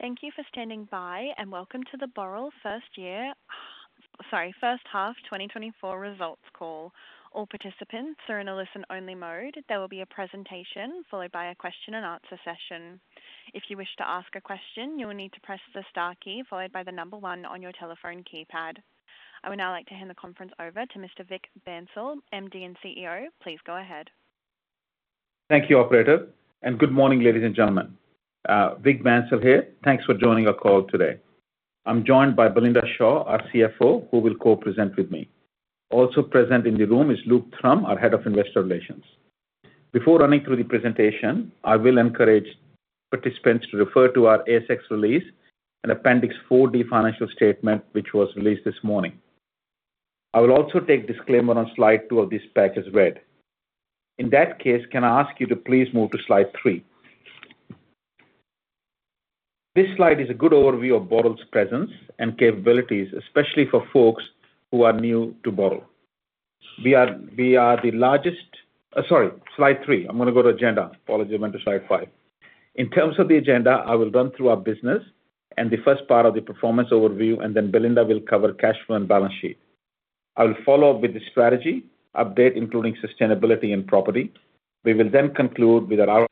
Thank you for standing by, and welcome to the Boral first half 2024 results call. All participants are in a listen-only mode. There will be a presentation followed by a question and answer session. If you wish to ask a question, you will need to press the star key followed by the number one on your telephone keypad. I would now like to hand the conference over to Mr. Vik Bansal, MD and CEO. Please go ahead. Thank you, operator, and good morning, ladies and gentlemen. Vik Bansal here. Thanks for joining our call today. I'm joined by Belinda Shaw, our CFO, who will co-present with me. Also present in the room is Luke Thrum, our Head of Investor Relations. Before running through the presentation, I will encourage participants to refer to our ASX release and Appendix 4D financial statement, which was released this morning. I will also take disclaimer on slide two of this deck as read. In that case, can I ask you to please move to slide three. This slide is a good overview of Boral's presence and capabilities, especially for folks who are new to Boral. We are the largest-- Sorry, slide three. I'm gonna go to agenda. Apologies, I went to slide five. In terms of the agenda, I will run through our business and the first part of the performance overview, and then Belinda will cover cash flow and balance sheet. I will follow up with the strategy, update, including sustainability and property. We will then conclude with our...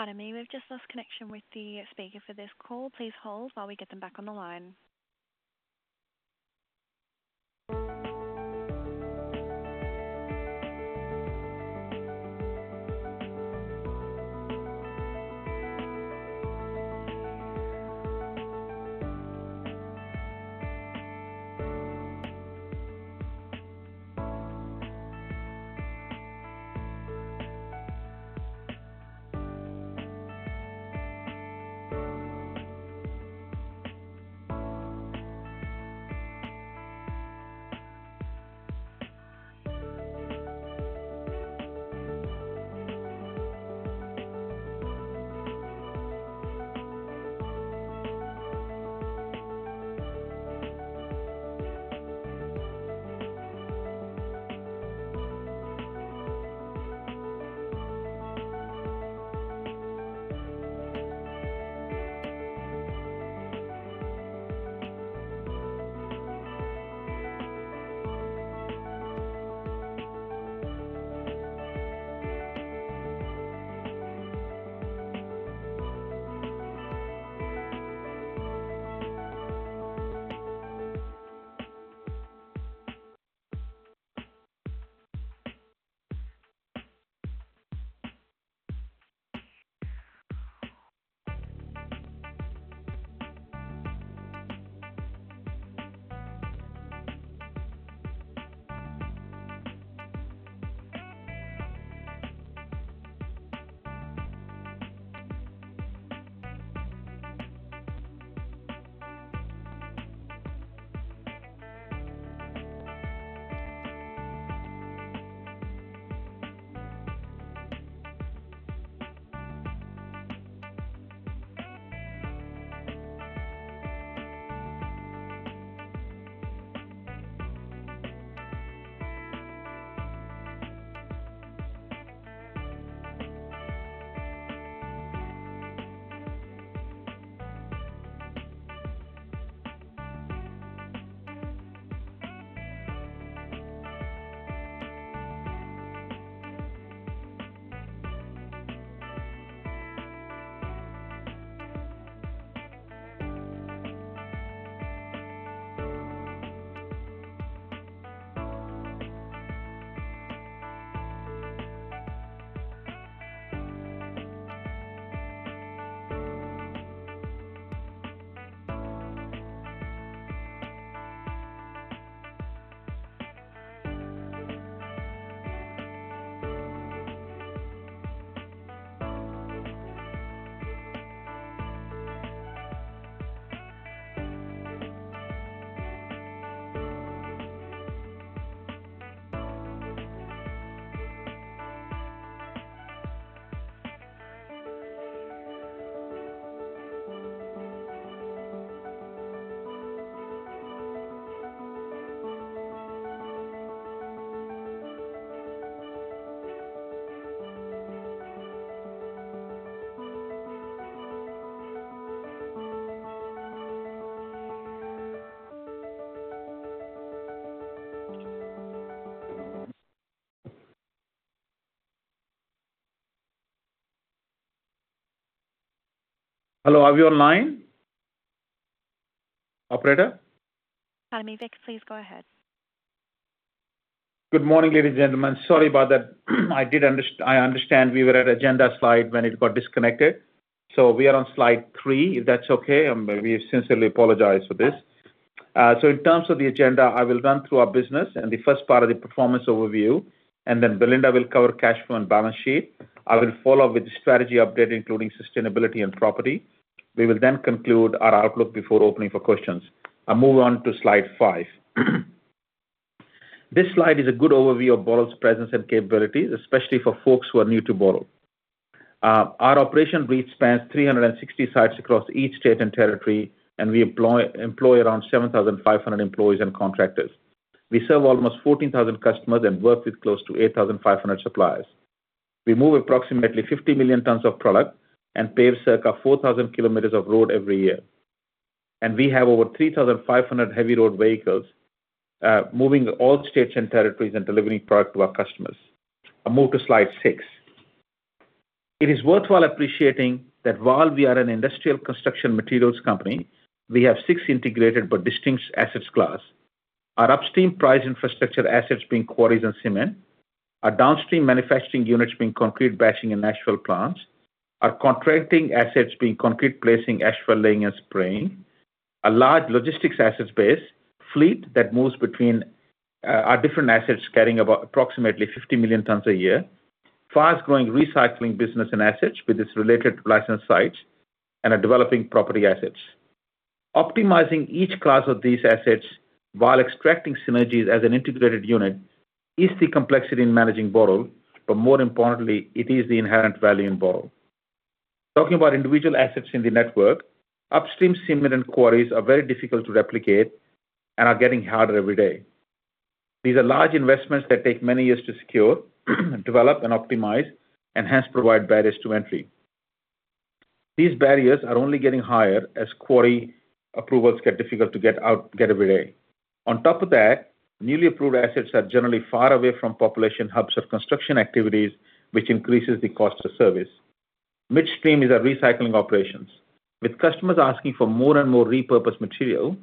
Pardon me, we've just lost connection with the speaker for this call. Please hold while we get them back on the line. Hello, are we online? Operator? Pardon me, Vik. Please go ahead. Good morning, ladies and gentlemen. Sorry about that. I understand we were at agenda slide when it got disconnected. We are on slide three, if that's okay, and we sincerely apologize for this. In terms of the agenda, I will run through our business and the first part of the performance overview, and then Belinda will cover cash flow and balance sheet. I will follow up with the strategy update, including sustainability and property. We will then conclude our outlook before opening for questions. I move on to slide five. This slide is a good overview of Boral's presence and capabilities, especially for folks who are new to Boral. Our operation reach spans 360 sites across each state and territory, and we employ around 7,500 employees and contractors. We serve almost 14,000 customers and work with close to 8,500 suppliers. We move approximately 50 million tons of product and pave circa 4,000 kilometers of road every year. We have over 3,500 heavy road vehicles moving to all states and territories and delivering product to our customers. I move to slide six. It is worthwhile appreciating that while we are an industrial construction materials company, we have six integrated but distinct asset classes. Our upstream prized infrastructure assets being quarries and cement, our downstream manufacturing units being concrete batching and asphalt plants, our contracting assets being concrete placing, asphalt laying, and spraying. A large logistics asset base, fleet that moves between our different assets, carrying about approximately 50 million tons a year. Fast-growing recycling business and assets with its related licensed sites, and are developing property assets. Optimizing each class of these assets while extracting synergies as an integrated unit is the complexity in managing Boral, but more importantly, it is the inherent value in Boral. Talking about individual assets in the network, upstream cement and quarries are very difficult to replicate and are getting harder every day. These are large investments that take many years to secure, develop and optimize, and hence provide barriers to entry. These barriers are only getting higher as quarry approvals get difficult to get every day. On top of that, newly approved assets are generally far away from population hubs of construction activities, which increases the cost of service. Midstream is our recycling operations. With customers asking for more and more repurposed material,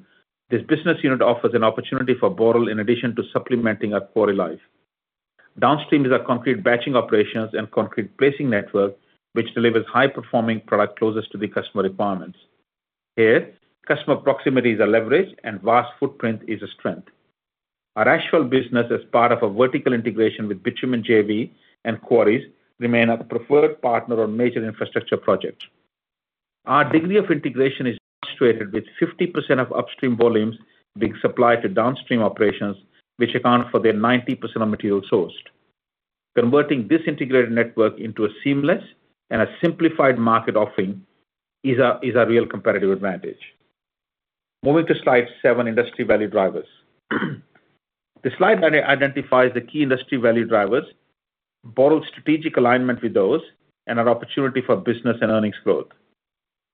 this business unit offers an opportunity for Boral in addition to supplementing our quarry life. Downstream is our concrete batching operations and concrete placing network, which delivers high-performing product closest to the customer requirements. Here, customer proximity is a leverage, and vast footprint is a strength. Our asphalt business, as part of a vertical integration with Bitumen JV and quarries, remain our preferred partner on major infrastructure projects. Our degree of integration is illustrated with 50% of upstream volumes being supplied to downstream operations, which account for their 90% of material sourced. Converting this integrated network into a seamless and a simplified market offering is a, is a real competitive advantage. Moving to slide seven, industry value drivers. This slide identifies the key industry value drivers, Boral's strategic alignment with those, and an opportunity for business and earnings growth.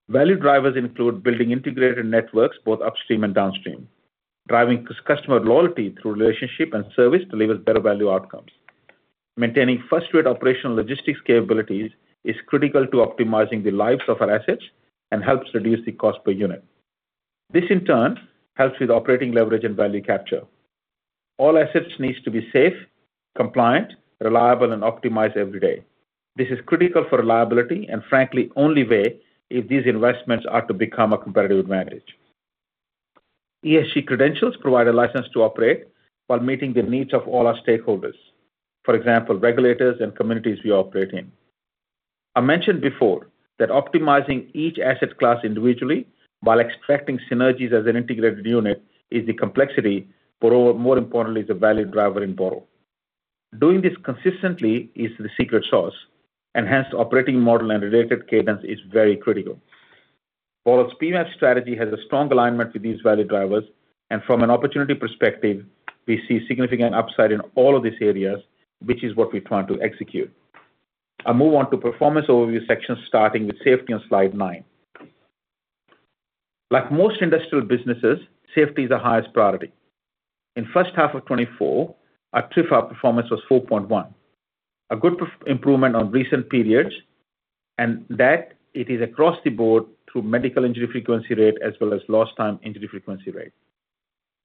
Value drivers include building integrated networks, both upstream and downstream. Driving this customer loyalty through relationship and service delivers better value outcomes. Maintaining first-rate operational logistics capabilities is critical to optimizing the lives of our assets and helps reduce the cost per unit. This, in turn, helps with operating leverage and value capture. All assets needs to be safe, compliant, reliable, and optimized every day. This is critical for reliability, and frankly, only way if these investments are to become a competitive advantage. ESG credentials provide a license to operate while meeting the needs of all our stakeholders, for example, regulators and communities we operate in. I mentioned before that optimizing each asset class individually while extracting synergies as an integrated unit is the complexity, but, more importantly, the value driver in Boral. Doing this consistently is the secret sauce, and hence the operating model and related cadence is very critical. Boral's PMF strategy has a strong alignment with these value drivers, and from an opportunity perspective, we see significant upside in all of these areas, which is what we plan to execute. I move on to performance overview section, starting with safety on slide nine. Like most industrial businesses, safety is our highest priority. In first half of 2024, our TRIFR performance was 4.1, a good improvement on recent periods, and that is across the board through medical injury frequency rate as well as lost time injury frequency rate.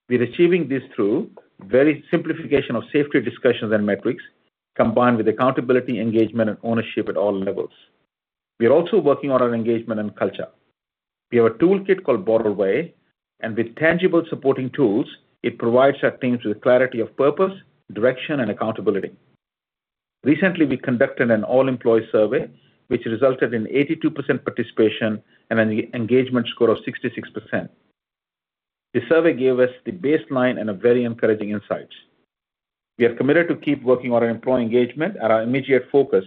We're achieving this through the simplification of safety discussions and metrics, combined with accountability, engagement, and ownership at all levels. We are also working on our engagement and culture. We have a toolkit called Boral Way, and with tangible supporting tools, it provides our teams with clarity of purpose, direction, and accountability. Recently, we conducted an all-employee survey, which resulted in 82% participation and an engagement score of 66%. The survey gave us the baseline and a very encouraging insight. We are committed to keep working on our employee engagement, and our immediate focus,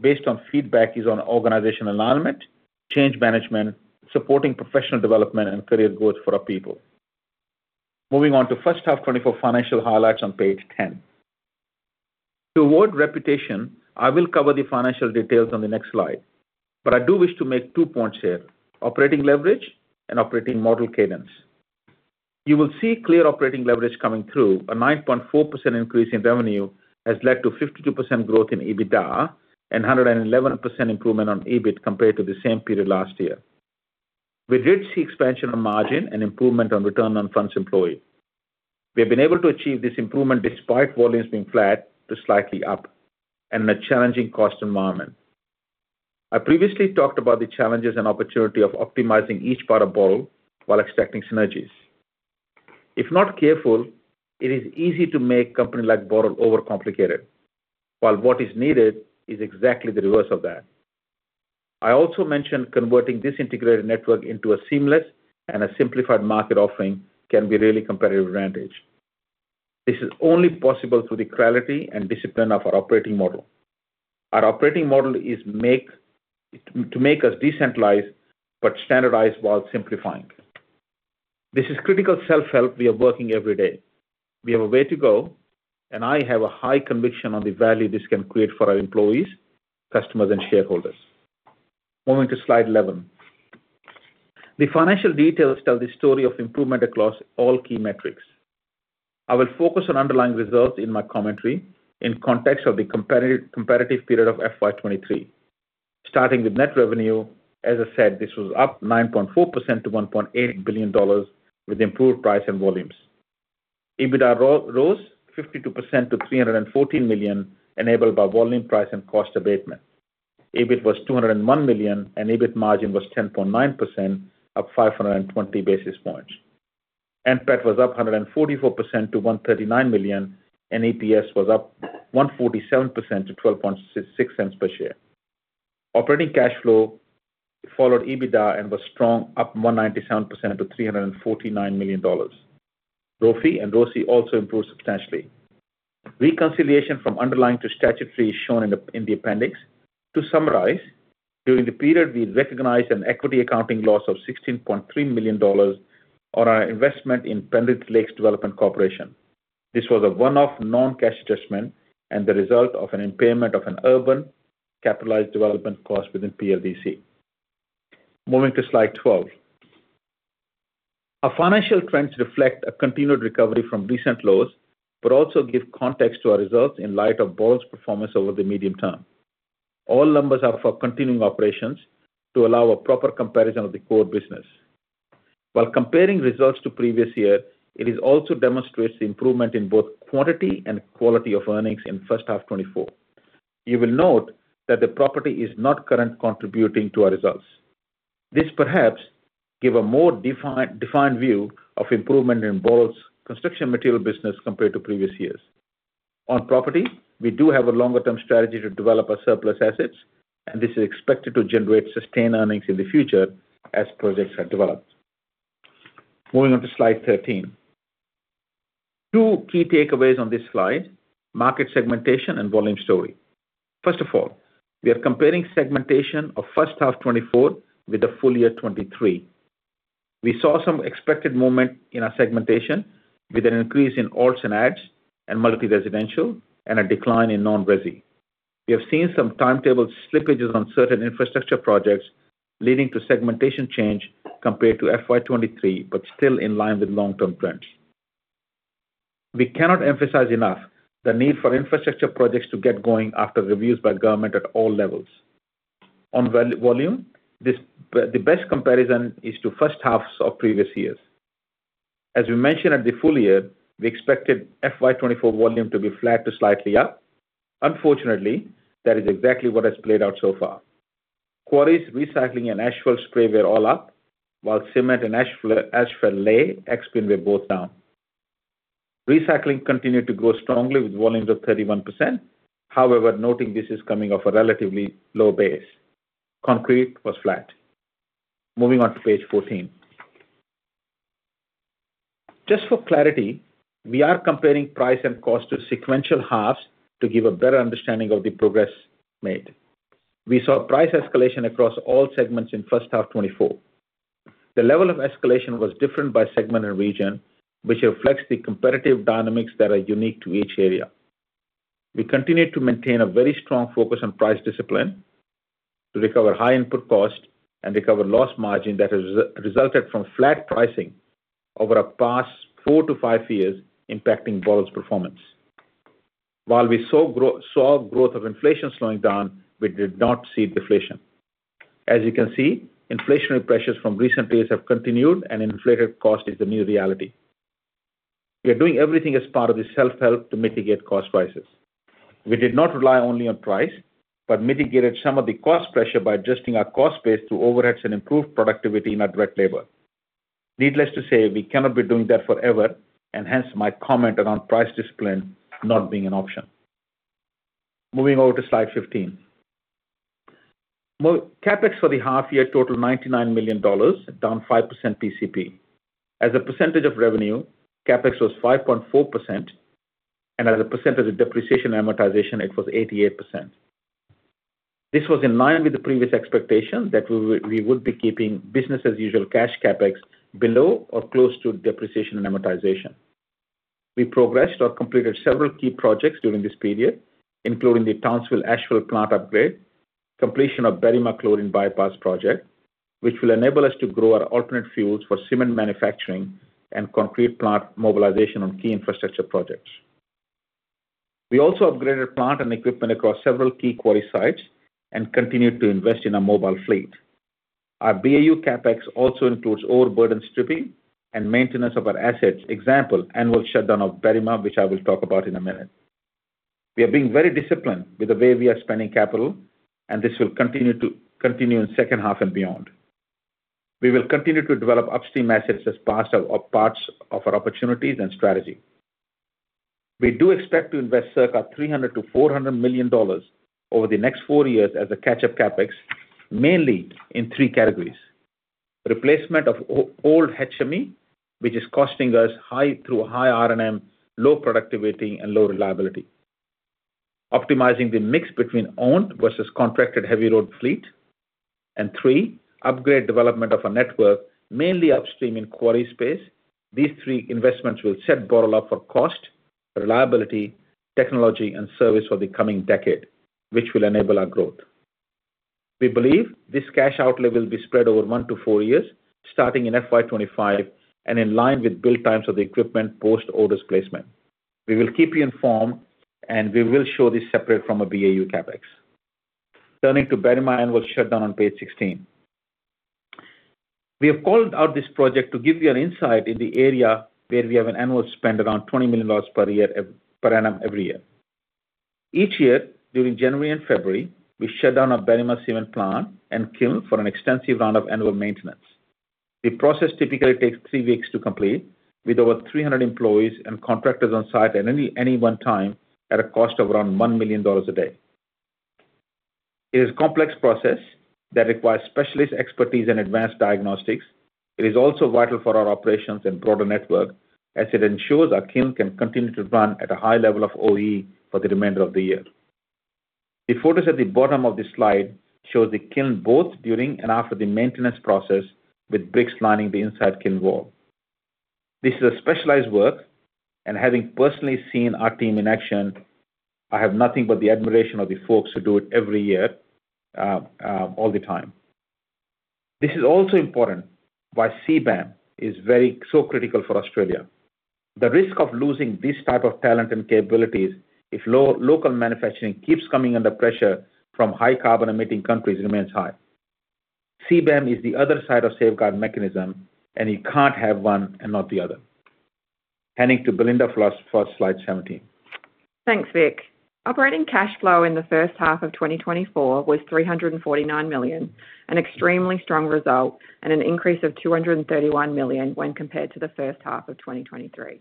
based on feedback, is on organizational alignment, change management, supporting professional development, and career growth for our people. Moving on to first half 2024 financial highlights on page 10. To avoid repetition, I will cover the financial details on the next slide, but I do wish to make two points here: operating leverage and operating model cadence. You will see clear operating leverage coming through. A 9.4% increase in revenue has led to 52% growth in EBITDA and 111% improvement on EBIT compared to the same period last year. We did see expansion on margin and improvement on return on funds employed. We have been able to achieve this improvement despite volumes being flat to slightly up and in a challenging cost environment. I previously talked about the challenges and opportunity of optimizing each part of Boral while extracting synergies. If not careful, it is easy to make company like Boral overcomplicated, while what is needed is exactly the reverse of that. I also mentioned converting this integrated network into a seamless and a simplified market offering can be really competitive advantage. This is only possible through the clarity and discipline of our operating model.... Our operating model is make, to make us decentralized but standardized while simplifying. This is critical self-help we are working every day. We have a way to go, and I have a high conviction on the value this can create for our employees, customers, and shareholders. Moving to slide 11. The financial details tell the story of improvement across all key metrics. I will focus on underlying results in my commentary in context of the competitive, competitive period of FY 2023. Starting with net revenue, as I said, this was up 9.4% to 1.8 billion dollars, with improved price and volumes. EBITDA rose 52% to 314 million, enabled by volume, price, and cost abatement. EBIT was 201 million, and EBIT margin was 10.9%, up 520 basis points. NPAT was up 144% to 139 million, and EPS was up 147% to 0.126 per share. Operating cash flow followed EBITDA and was strong, up 197% to 349 million dollars. ROFE and ROCE also improved substantially. Reconciliation from underlying to statutory is shown in the appendix. To summarize, during the period, we recognized an equity accounting loss of 16.3 million dollars on our investment in Pendrell Lakes Development Corporation. This was a one-off non-cash adjustment and the result of an impairment of an urban capitalized development cost within PLDC. Moving to slide 12. Our financial trends reflect a continued recovery from recent lows, but also give context to our results in light of Boral's performance over the medium term. All numbers are for continuing operations to allow a proper comparison of the core business. While comparing results to previous year, it is also demonstrates the improvement in both quantity and quality of earnings in first half 2024. You will note that the property is not currently contributing to our results. This perhaps gives a more defined, defined view of improvement in Boral's construction material business compared to previous years. On property, we do have a longer-term strategy to develop our surplus assets, and this is expected to generate sustained earnings in the future as projects are developed. Moving on to slide 13. Two key takeaways on this slide: market segmentation and volume story. First of all, we are comparing segmentation of first half 2024 with the full year 2023. We saw some expected movement in our segmentation with an increase in alts and adds and multi-residential and a decline in non-resi. We have seen some timetable slippages on certain infrastructure projects, leading to segmentation change compared to FY 2023, but still in line with long-term trends. We cannot emphasize enough the need for infrastructure projects to get going after reviews by government at all levels. On volume, the best comparison is to first halves of previous years. As we mentioned at the full year, we expected FY 2024 volume to be flat to slightly up. Unfortunately, that is exactly what has played out so far. Quarries, recycling, and asphalt spray were all up, while cement and asphalt lay, ex-bin were both down. Recycling continued to grow strongly with volumes of 31%. However, noting this is coming off a relatively low base. Concrete was flat. Moving on to page 14. Just for clarity, we are comparing price and cost to sequential halves to give a better understanding of the progress made. We saw price escalation across all segments in first half 2024. The level of escalation was different by segment and region, which reflects the competitive dynamics that are unique to each area. We continue to maintain a very strong focus on price discipline to recover high input cost and recover lost margin that has resulted from flat pricing over the past four to five years, impacting Boral's performance. While we saw growth of inflation slowing down, we did not see deflation. As you can see, inflationary pressures from recent years have continued, and inflated cost is the new reality. We are doing everything as part of the self-help to mitigate cost prices. We did not rely only on price, but mitigated some of the cost pressure by adjusting our cost base through overheads and improved productivity in our direct labor. Needless to say, we cannot be doing that forever, and hence my comment around price discipline not being an option. Moving over to slide 15. CapEx for the half year totaled 99 million dollars, down 5% PCP. As a percentage of revenue, CapEx was 5.4%, and as a percentage of depreciation amortization, it was 88%. This was in line with the previous expectations that we would be keeping business as usual cash CapEx below or close to depreciation and amortization. We progressed or completed several key projects during this period, including the Townsville Asphalt Plant upgrade, completion of Berrima Chlorine Bypass project, which will enable us to grow our alternate fuels for cement manufacturing and concrete plant mobilization on key infrastructure projects. We also upgraded plant and equipment across several key quarry sites and continued to invest in our mobile fleet. Our BAU CapEx also includes overburden stripping and maintenance of our assets, example, annual shutdown of Berrima, which I will talk about in a minute. We are being very disciplined with the way we are spending capital, and this will continue to continue in the second half and beyond. We will continue to develop upstream assets as part of, or parts of our opportunities and strategy. We do expect to invest circa 300 million-400 million dollars over the next four years as a catch-up CapEx, mainly in three categories. Replacement of old HME, which is costing us high through high R&M, low productivity, and low reliability. Optimizing the mix between owned versus contracted heavy road fleet. And three, upgrade development of our network, mainly upstream in quarry space. These three investments will set Boral up for cost, reliability, technology, and service for the coming decade, which will enable our growth. We believe this cash outlay will be spread over one to four years, starting in FY 2025 and in line with build times of the equipment post-orders placement. We will keep you informed, and we will show this separate from a BAU CapEx. Turning to Berrima annual shutdown on page 16. We have called out this project to give you an insight in the area where we have an annual spend around 20 million dollars per year, per annum every year. Each year, during January and February, we shut down our Berrima Cement plant and kiln for an extensive round of annual maintenance. The process typically takes three weeks to complete, with over 300 employees and contractors on site at any one time, at a cost of around 1 million dollars a day. It is a complex process that requires specialist expertise and advanced diagnostics. It is also vital for our operations and broader network, as it ensures our kiln can continue to run at a high level of OEE for the remainder of the year. The photos at the bottom of this slide shows the kiln both during and after the maintenance process, with bricks lining the inside kiln wall. This is a specialized work, and having personally seen our team in action, I have nothing but the admiration of the folks who do it every year, all the time. This is also important why CBAM is very so critical for Australia. The risk of losing this type of talent and capabilities if local manufacturing keeps coming under pressure from high carbon emitting countries remains high. CBAM is the other side of safeguard mechanism, and you can't have one and not the other. Turning to Belinda for slide 17. Thanks, Vik. Operating cash flow in the first half of 2024 was 349 million, an extremely strong result and an increase of 231 million when compared to the first half of 2023.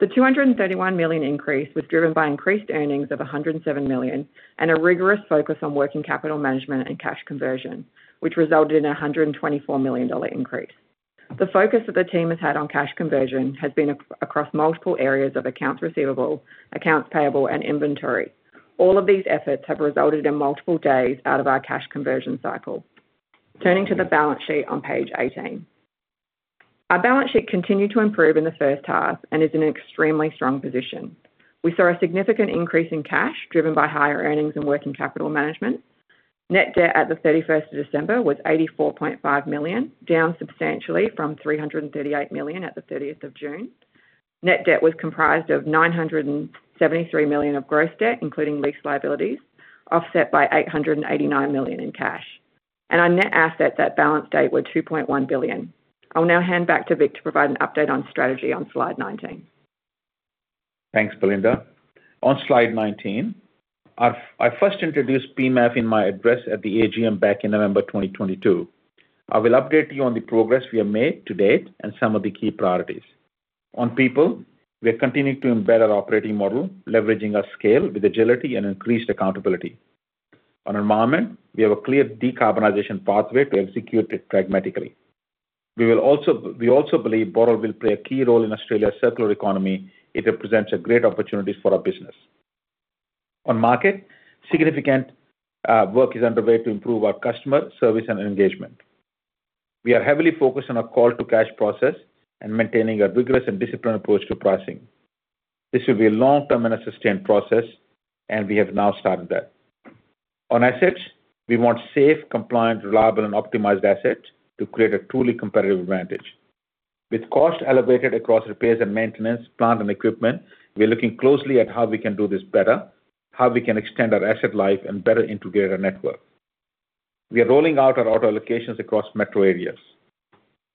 The 231 million increase was driven by increased earnings of 107 million, and a rigorous focus on working capital management and cash conversion, which resulted in a 124 million dollar increase. The focus that the team has had on cash conversion has been across multiple areas of accounts receivable, accounts payable, and inventory. All of these efforts have resulted in multiple days out of our cash conversion cycle. Turning to the balance sheet on page 18. Our balance sheet continued to improve in the first half and is in an extremely strong position. We saw a significant increase in cash, driven by higher earnings and working capital management. Net debt at the 31st of December was 84.5 million, down substantially from 338 million at the 30th of June. Net debt was comprised of 973 million of gross debt, including lease liabilities, offset by 889 million in cash, and our net assets at that balance date were 2.1 billion. I'll now hand back to Vik to provide an update on strategy on slide 19. Thanks, Belinda. On slide 19, I first introduced PEMAF in my address at the AGM back in November 2022. I will update you on the progress we have made to date and some of the key priorities. On people, we are continuing to embed our operating model, leveraging our scale with agility and increased accountability. On environment, we have a clear decarbonization pathway to execute it pragmatically. We also believe Boral will play a key role in Australia's circular economy. It represents a great opportunity for our business. On market, significant work is underway to improve our customer service and engagement. We are heavily focused on our call to cash process and maintaining a rigorous and disciplined approach to pricing. This will be a long-term and a sustained process, and we have now started that. On assets, we want safe, compliant, reliable, and optimized assets to create a truly competitive advantage. With costs elevated across repairs and maintenance, plant and equipment, we are looking closely at how we can do this better, how we can extend our asset life, and better integrate our network. We are rolling out our auto locations across metro areas.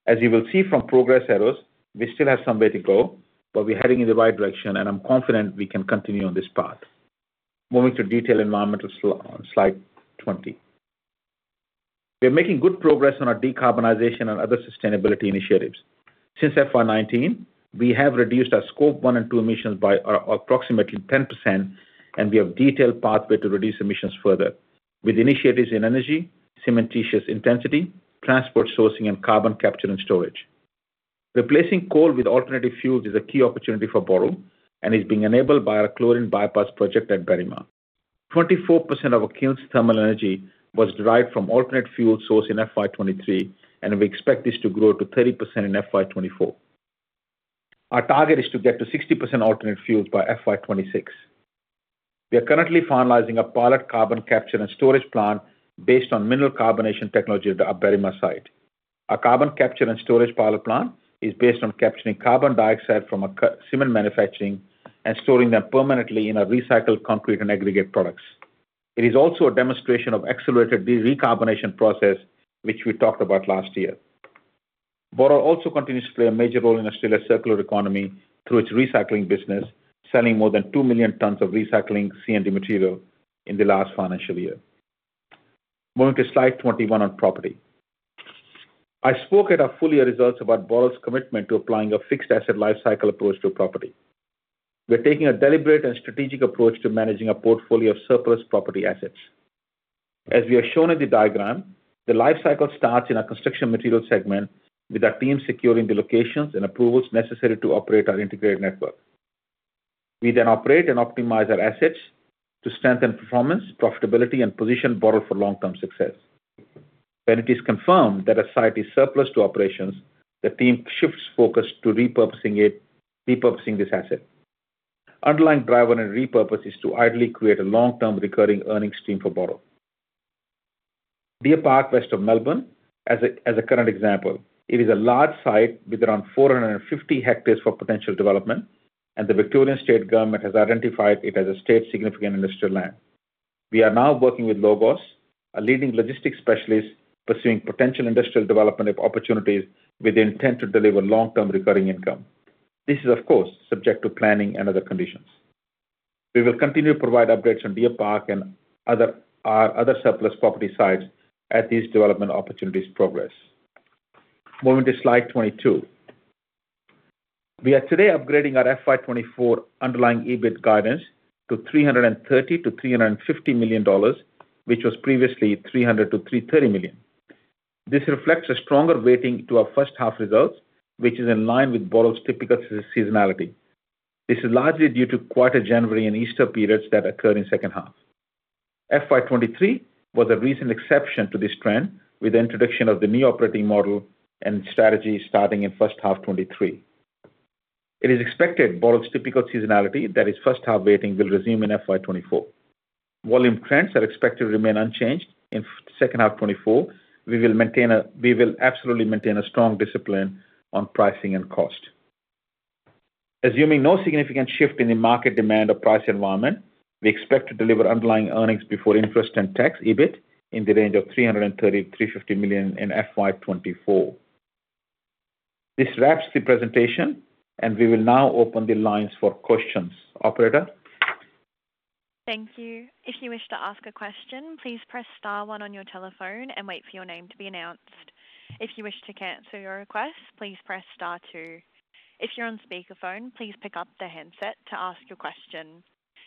As you will see from progress arrows, we still have some way to go, but we're heading in the right direction, and I'm confident we can continue on this path. Moving to detailed environment on slide 20. We are making good progress on our decarbonization and other sustainability initiatives. Since FY 2019, we have reduced our Scope one and two emissions by approximately 10%, and we have a detailed pathway to reduce emissions further, with initiatives in energy, cementitious intensity, transport sourcing, and carbon capture and storage. Replacing coal with alternative fuels is a key opportunity for Boral and is being enabled by our chlorine bypass project at Berrima. 24% of our kiln's thermal energy was derived from alternate fuel source in FY 2023, and we expect this to grow to 30% in FY 2024. Our target is to get to 60% alternate fuels by FY 2026. We are currently finalizing a pilot carbon capture and storage plant based on mineral carbonation technology at our Berrima site. Our carbon capture and storage pilot plant is based on capturing carbon dioxide from cement manufacturing and storing them permanently in our recycled concrete and aggregate products. It is also a demonstration of accelerated decarbonization process, which we talked about last year. Boral also continues to play a major role in Australia's circular economy through its recycling business, selling more than 2 million tons of recycling C&D material in the last financial year. Moving to slide 21 on property. I spoke at our full year results about Boral's commitment to applying a fixed asset lifecycle approach to property. We're taking a deliberate and strategic approach to managing our portfolio of surplus property assets. As we have shown in the diagram, the life cycle starts in our construction materials segment, with our team securing the locations and approvals necessary to operate our integrated network. We then operate and optimize our assets to strengthen performance, profitability, and position Boral for long-term success. When it is confirmed that a site is surplus to operations, the team shifts focus to repurposing it, repurposing this asset. Underlying driver and repurpose is to ideally create a long-term recurring earnings stream for Boral. Deer Park, west of Melbourne, as a current example, it is a large site with around 450 hectares for potential development, and the Victorian State Government has identified it as a state significant industrial land. We are now working with Logos, a leading logistics specialist, pursuing potential industrial development of opportunities with the intent to deliver long-term recurring income. This is, of course, subject to planning and other conditions. We will continue to provide updates on Deer Park and our other surplus property sites as these development opportunities progress. Moving to slide 22. We are today upgrading our FY 2024 underlying EBIT guidance to 330 million-350 million dollars, which was previously 300 million-330 million. This reflects a stronger weighting to our first half results, which is in line with Boral's typical seasonality. This is largely due to quieter January and Easter periods that occurred in second half. FY 2023 was a recent exception to this trend, with the introduction of the new operating model and strategy starting in first half 2023. It is expected Boral's typical seasonality, that is, first half weighting, will resume in FY 2024. Volume trends are expected to remain unchanged in FY second half 2024. We will absolutely maintain a strong discipline on pricing and cost. Assuming no significant shift in the market demand or price environment, we expect to deliver underlying earnings before interest and tax, EBIT, in the range of 330 million-350 million in FY 2024. This wraps the presentation, and we will now open the lines for questions. Operator? Thank you. If you wish to ask a question, please press star one on your telephone and wait for your name to be announced. If you wish to cancel your request, please press star two. If you're on speakerphone, please pick up the handset to ask your question.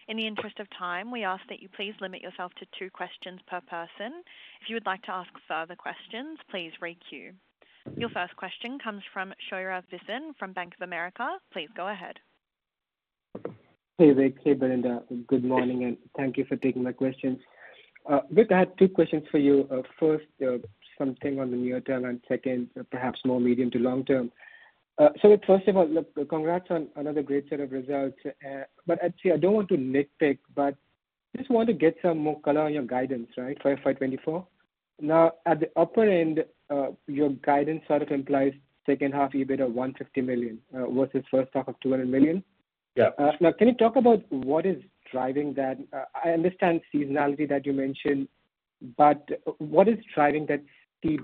In the interest of time, we ask that you please limit yourself to two questions per person. If you would like to ask further questions, please requeue. Your first question comes from Shaurya Visen from Bank of America. Please go ahead. Hey, Vik. Hey, Belinda. Good morning, and thank you for taking my questions. Vik, I had two questions for you. First, something on the near term, and second, perhaps more medium to long term. So first of all, look, congrats on another great set of results. But actually, I don't want to nitpick, but just want to get some more color on your guidance, right, for FY 2024. Now, at the upper end, your guidance sort of implies second half EBIT of 150 million, versus first half of 200 million. Yeah. Now, can you talk about what is driving that? I understand seasonality that you mentioned, but what is driving that steep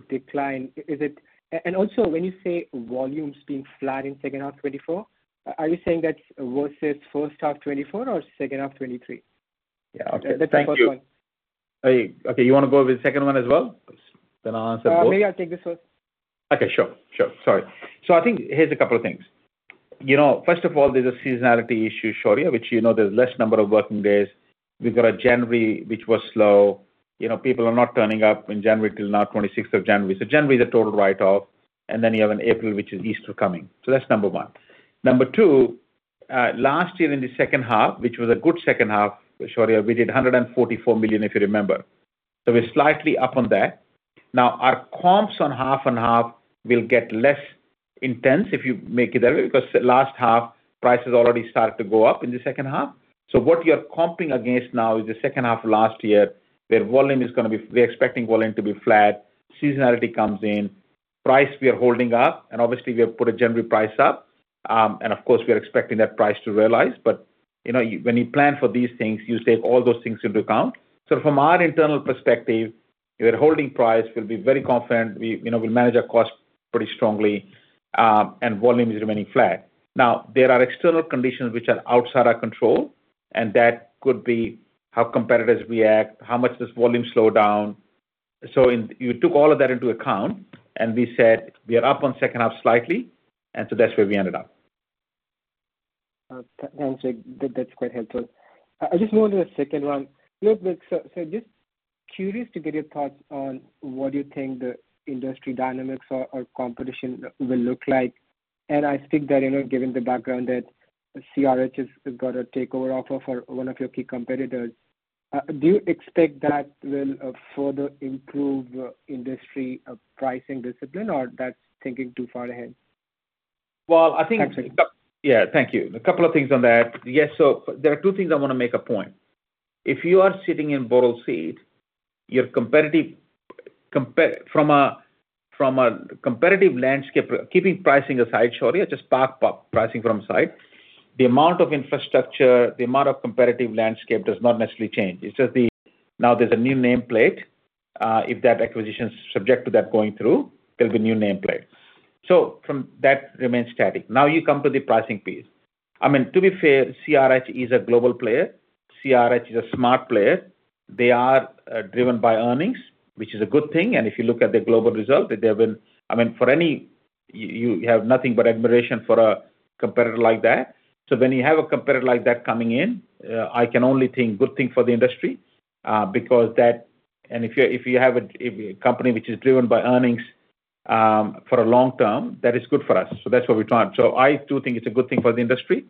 decline? Is it, And also, when you say volumes being flat in second half 2024, are you saying that's versus first half 2024 or second half 2023? Yeah. Okay. Thank you. That's the first one. Okay, you wanna go with the second one as well? Then I'll answer both. Maybe I'll take this first. Okay, sure, sure. Sorry. So I think here's a couple of things. You know, first of all, there's a seasonality issue, Shaurya, which, you know, there's less number of working days. We've got a January, which was slow. You know, people are not turning up in January till now, 26th of January. So January is a total write-off, and then you have in April, which is Easter coming. So that's number one. Number two, last year in the second half, which was a good second half, Shaurya, we did 144 million, if you remember. So we're slightly up on that. Now, our comps on half and half will get less intense if you make it there, because the last half, prices already started to go up in the second half. So what you're comping against now is the second half of last year, where volume is gonna be... We're expecting volume to be flat. Seasonality comes in. Price, we are holding up, and obviously, we have put a January price up. And of course, we are expecting that price to realize, but, you know, when you plan for these things, you take all those things into account. So from our internal perspective, we are holding price. We'll be very confident. We, you know, we'll manage our cost pretty strongly, and volume is remaining flat. Now, there are external conditions which are outside our control, and that could be how competitors react, how much dOEEs volume slow down. So you took all of that into account, and we said we are up on second half slightly, and so that's where we ended up. That's quite helpful. I just move on to the second one. Look, so just curious to get your thoughts on what you think the industry dynamics or competition will look like. And I think that, you know, given the background, that CRH has got a takeover offer for one of your key competitors, do you expect that will further improve industry pricing discipline, or that's thinking too far ahead? Well, I think- Actually. Yeah, thank you. A couple of things on that. Yes, so there are two things I wanna make a point. If you are sitting in Barro's seat, your competitive compa- from a, from a competitive landscape, keeping pricing aside, Shaurya, just park pricing aside, the amount of infrastructure, the amount of competitive landscape dOEEs not necessarily change. It's just the, now there's a new nameplate. If that acquisition is subject to that going through, there'll be a new nameplate. So from... That remains static. Now, you come to the pricing piece. I mean, to be fair, CRH is a global player. CRH is a smart player... they are driven by earnings, which is a good thing. And if you look at the global result, they have been- I mean, for any, you, you have nothing but admiration for a competitor like that. So when you have a competitor like that coming in, I can only think good thing for the industry, because that. And if you have a company which is driven by earnings for a long term, that is good for us. So that's what we trying. So I do think it's a good thing for the industry,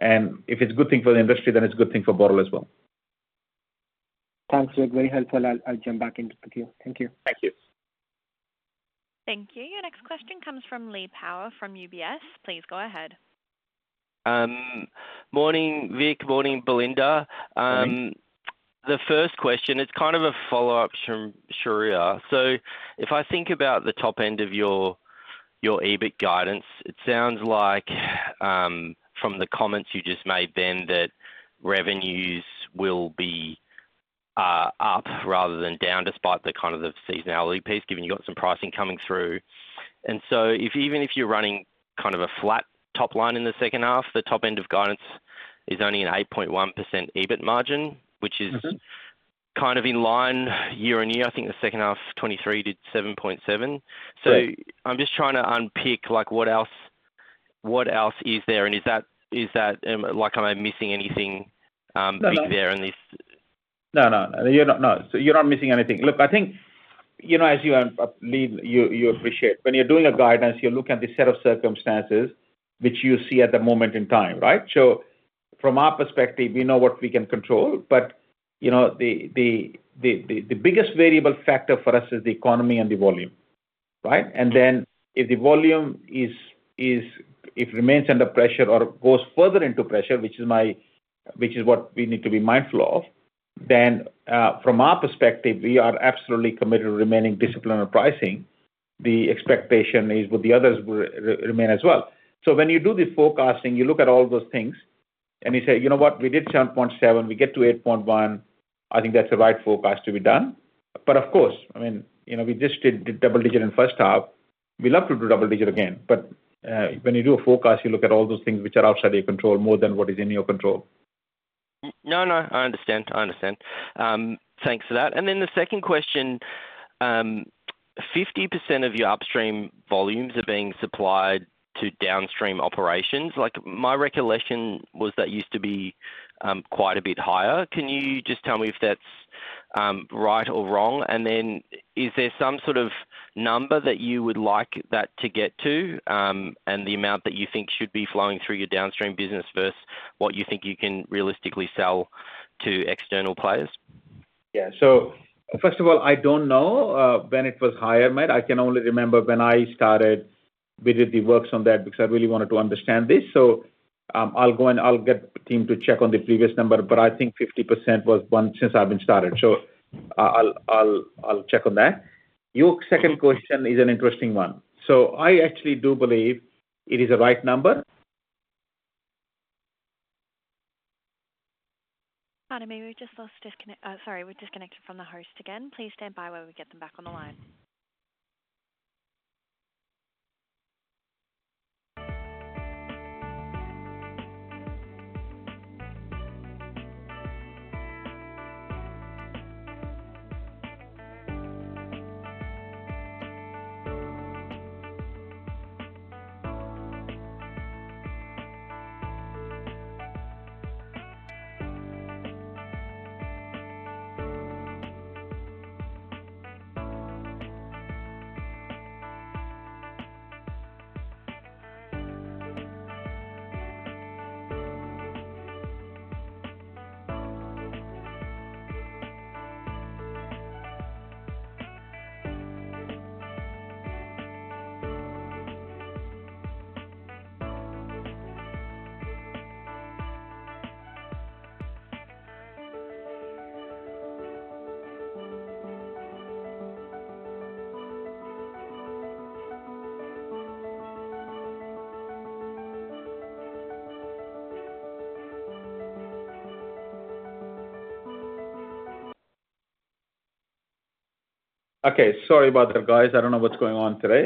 and if it's a good thing for the industry, then it's a good thing for Boral as well. Thanks. You're very helpful. I'll jump back in with you. Thank you. Thank you. Thank you. Your next question comes from Lee Power from UBS. Please go ahead. Morning, Vic. Morning, Belinda. Morning. The first question is kind of a follow-up from Shaurya. So if I think about the top end of your, your EBIT guidance, it sounds like, from the comments you just made then, that revenues will be, up rather than down, despite the kind of the seasonality piece, given you got some pricing coming through. And so if even if you're running kind of a flat top line in the second half, the top end of guidance is only an 8.1% EBIT margin- Mm-hmm. -which is kind of in line year-on-year. I think the second half 2023 did 7.7%. Right. So I'm just trying to unpick like what else, what else is there? And is that, is that, like, am I missing anything, big there in this? No, no. You're not, no. So you're not missing anything. Look, I think, you know, as you leave, you appreciate when you're doing a guidance, you look at the set of circumstances which you see at the moment in time, right? So from our perspective, we know what we can control. But, you know, the biggest variable factor for us is the economy and the volume, right? And then if the volume is, if it remains under pressure or gOEEs further into pressure, which is what we need to be mindful of, then, from our perspective, we are absolutely committed to remaining disciplined on pricing. The expectation is with the others will remain as well. So when you do the forecasting, you look at all those things and you say, "You know what? We did 7.7, we get to 8.1." I think that's the right forecast to be done. But of course, I mean, you know, we just did double digit in first half. We love to do double digit again, but when you do a forecast, you look at all those things which are outside your control more than what is in your control. No, no, I understand. I understand. Thanks for that. And then the second question, 50% of your upstream volumes are being supplied to downstream operations. Like, my recollection was that used to be quite a bit higher. Can you just tell me if that's right or wrong? And then is there some sort of number that you would like that to get to, and the amount that you think should be flowing through your downstream business versus what you think you can realistically sell to external players? Yeah. So first of all, I don't know when it was higher, mate. I can only remember when I started, we did the works on that because I really wanted to understand this. So I'll go and I'll get the team to check on the previous number, but I think 50% was one since I've been started. So I'll check on that. Your second question is an interesting one. So I actually do believe it is a right number. Pardon me. We just lost disconnect... sorry, we're disconnected from the host again. Please stand by while we get them back on the line. Okay. Sorry about that, guys. I don't know what's going on today.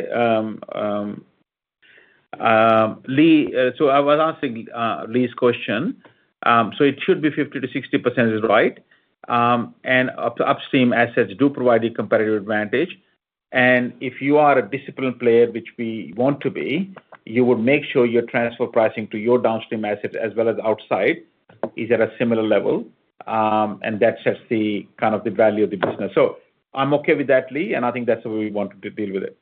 Lee, so I was answering Lee's question. So it should be 50%-60% is right. And upstream assets do provide a competitive advantage. And if you are a disciplined player, which we want to be, you would make sure your transfer pricing to your downstream assets as well as outside, is at a similar level. And that's just the kind of the value of the business. So I'm okay with that, Lee, and I think that's the way we want to deal with it.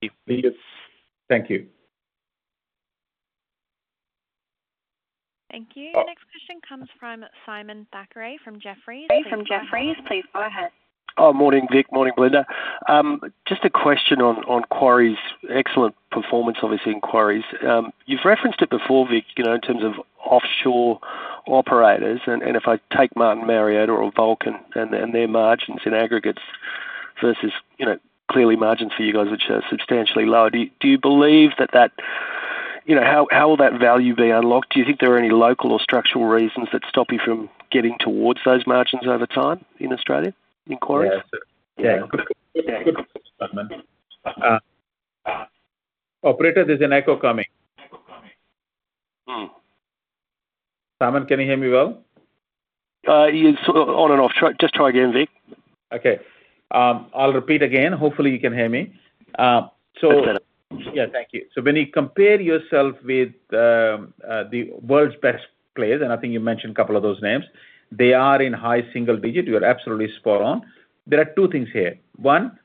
Thank you. Thank you. Thank you. Oh- The next question comes from Simon Thackray from Jefferies. From Jefferies, please go ahead. Oh, morning, Vic. Morning, Belinda. Just a question on quarries' excellent performance, obviously, in quarries. You've referenced it before, Vic, you know, in terms of offshore operators. And if I take Martin Marietta or Vulcan and their margins in aggregates versus, you know, clearly margins for you guys, which are substantially lower, do you believe that that... You know, how will that value be unlocked? Do you think there are any local or structural reasons that stop you from getting towards those margins over time in Australia, in quarries? Yeah. Yeah. Operator, there's an echo coming. Simon, can you hear me well? Yes, on and off. Try, just try again, Vik. Okay. I'll repeat again. Hopefully, you can hear me. Yes, sir. Yeah, thank you. So when you compare yourself with the world's best players, and I think you mentioned a couple of those names, they are in high single digit. You are absolutely spot on. There are two things here. One,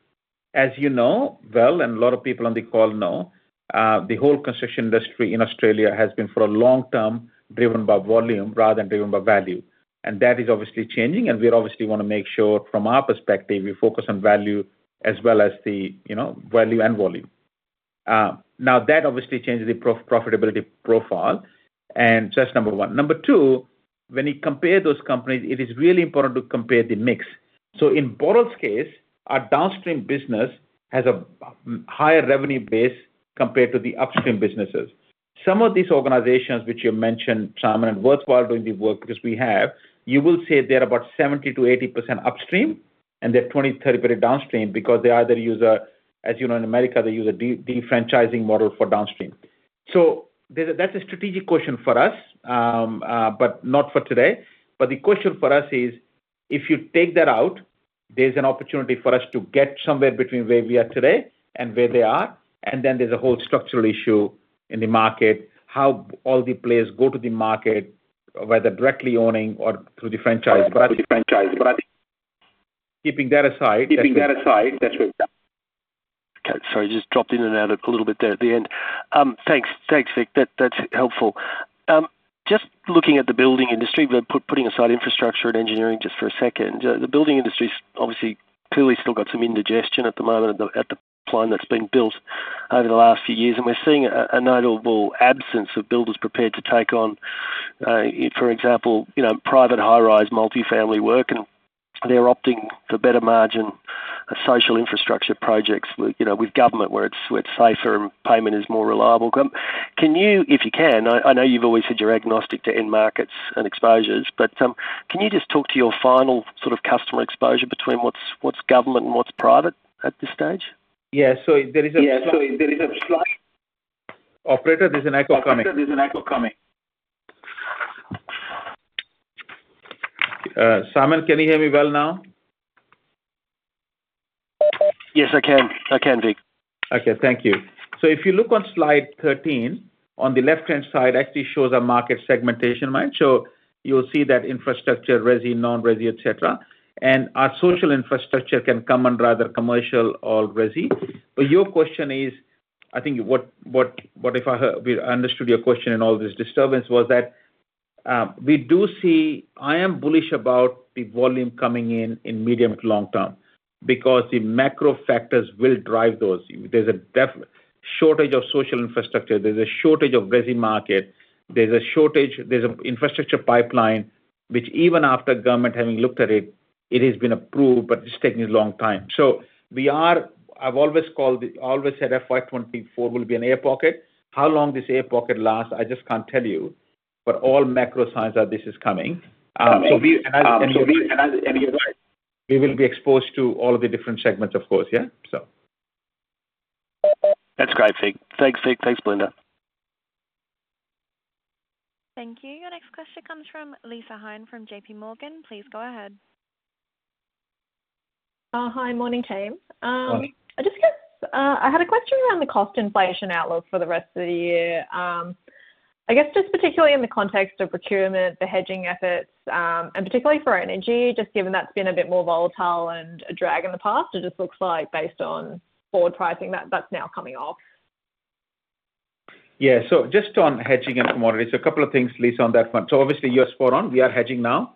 as you know well, and a lot of people on the call know, the whole construction industry in Australia has been, for a long term, driven by volume rather than driven by value. And that is obviously changing, and we obviously wanna make sure from our perspective, we focus on value as well as the, you know, value and volume. Now, that obviously changes the profitability profile, and that's number one. Number two, when you compare those companies, it is really important to compare the mix. So in Boral's case, our downstream business has a higher revenue base compared to the upstream businesses. Some of these organizations which you mentioned, Simon, and worthwhile doing the work because we have, you will see they're about 70%-80% upstream, and they're 20%-30% downstream because they either use a, as you know, in America, they use a de-franchising model for downstream. So there's a, that's a strategic question for us, but not for today. But the question for us is, if you take that out, there's an opportunity for us to get somewhere between where we are today and where they are, and then there's a whole structural issue in the market, how all the players go to the market, whether directly owning or through the franchise. But keeping that aside, keeping that aside, that's what we've done. Okay. Sorry, just dropped in and out a little bit there at the end. Thanks, Vik. That's helpful. Just looking at the building industry, we're putting aside infrastructure and engineering just for a second. The building industry's obviously clearly still got some indigestion at the moment at the plan that's been built over the last few years, and we're seeing a notable absence of builders prepared to take on, for example, you know, private high-rise, multi-family work, and they're opting for better-margin social infrastructure projects with, you know, with government, where it's safer and payment is more reliable. Can you, if you can, I know you've always said you're agnostic to end markets and exposures, but can you just talk to your final sort of customer exposure between what's government and what's private at this stage? Yeah. So there is a... Operator, there's an echo coming. Simon, can you hear me well now? Yes, I can. I can, Vik. Okay, thank you. So if you look on slide 13, on the left-hand side actually shows a market segmentation, right? So you'll see that infrastructure, resi, non-resi, et cetera. And our social infrastructure can come under either commercial or resi. But your question is, I think what I heard, understood your question and all this disturbance was that, we do see. I am bullish about the volume coming in in medium to long term because the macro factors will drive those. There's a definite shortage of social infrastructure, there's a shortage of resi market, there's an infrastructure pipeline, which even after government having looked at it, it has been approved, but it's taking a long time. So we are, I've always called it, always said FY 2024 will be an air pocket. How long this air pocket lasts, I just can't tell you, but all macro signs are this is coming. So we—and you're right—we will be exposed to all of the different segments, of course, yeah? So. That's great, Vik. Thanks, Vik. Thanks, Belinda. Thank you. Your next question comes from Lissa Hein, from JPMorgan. Please go ahead. Hi. Morning, team. Hi. I just guess, I had a question around the cost inflation outlook for the rest of the year. I guess just particularly in the context of procurement, the hedging efforts, and particularly for energy, just given that's been a bit more volatile and a drag in the past, it just looks like based on forward pricing, that that's now coming off. Yeah. So just on hedging and commodities, a couple of things, Lisa, on that front. So obviously, you're spot on. We are hedging now.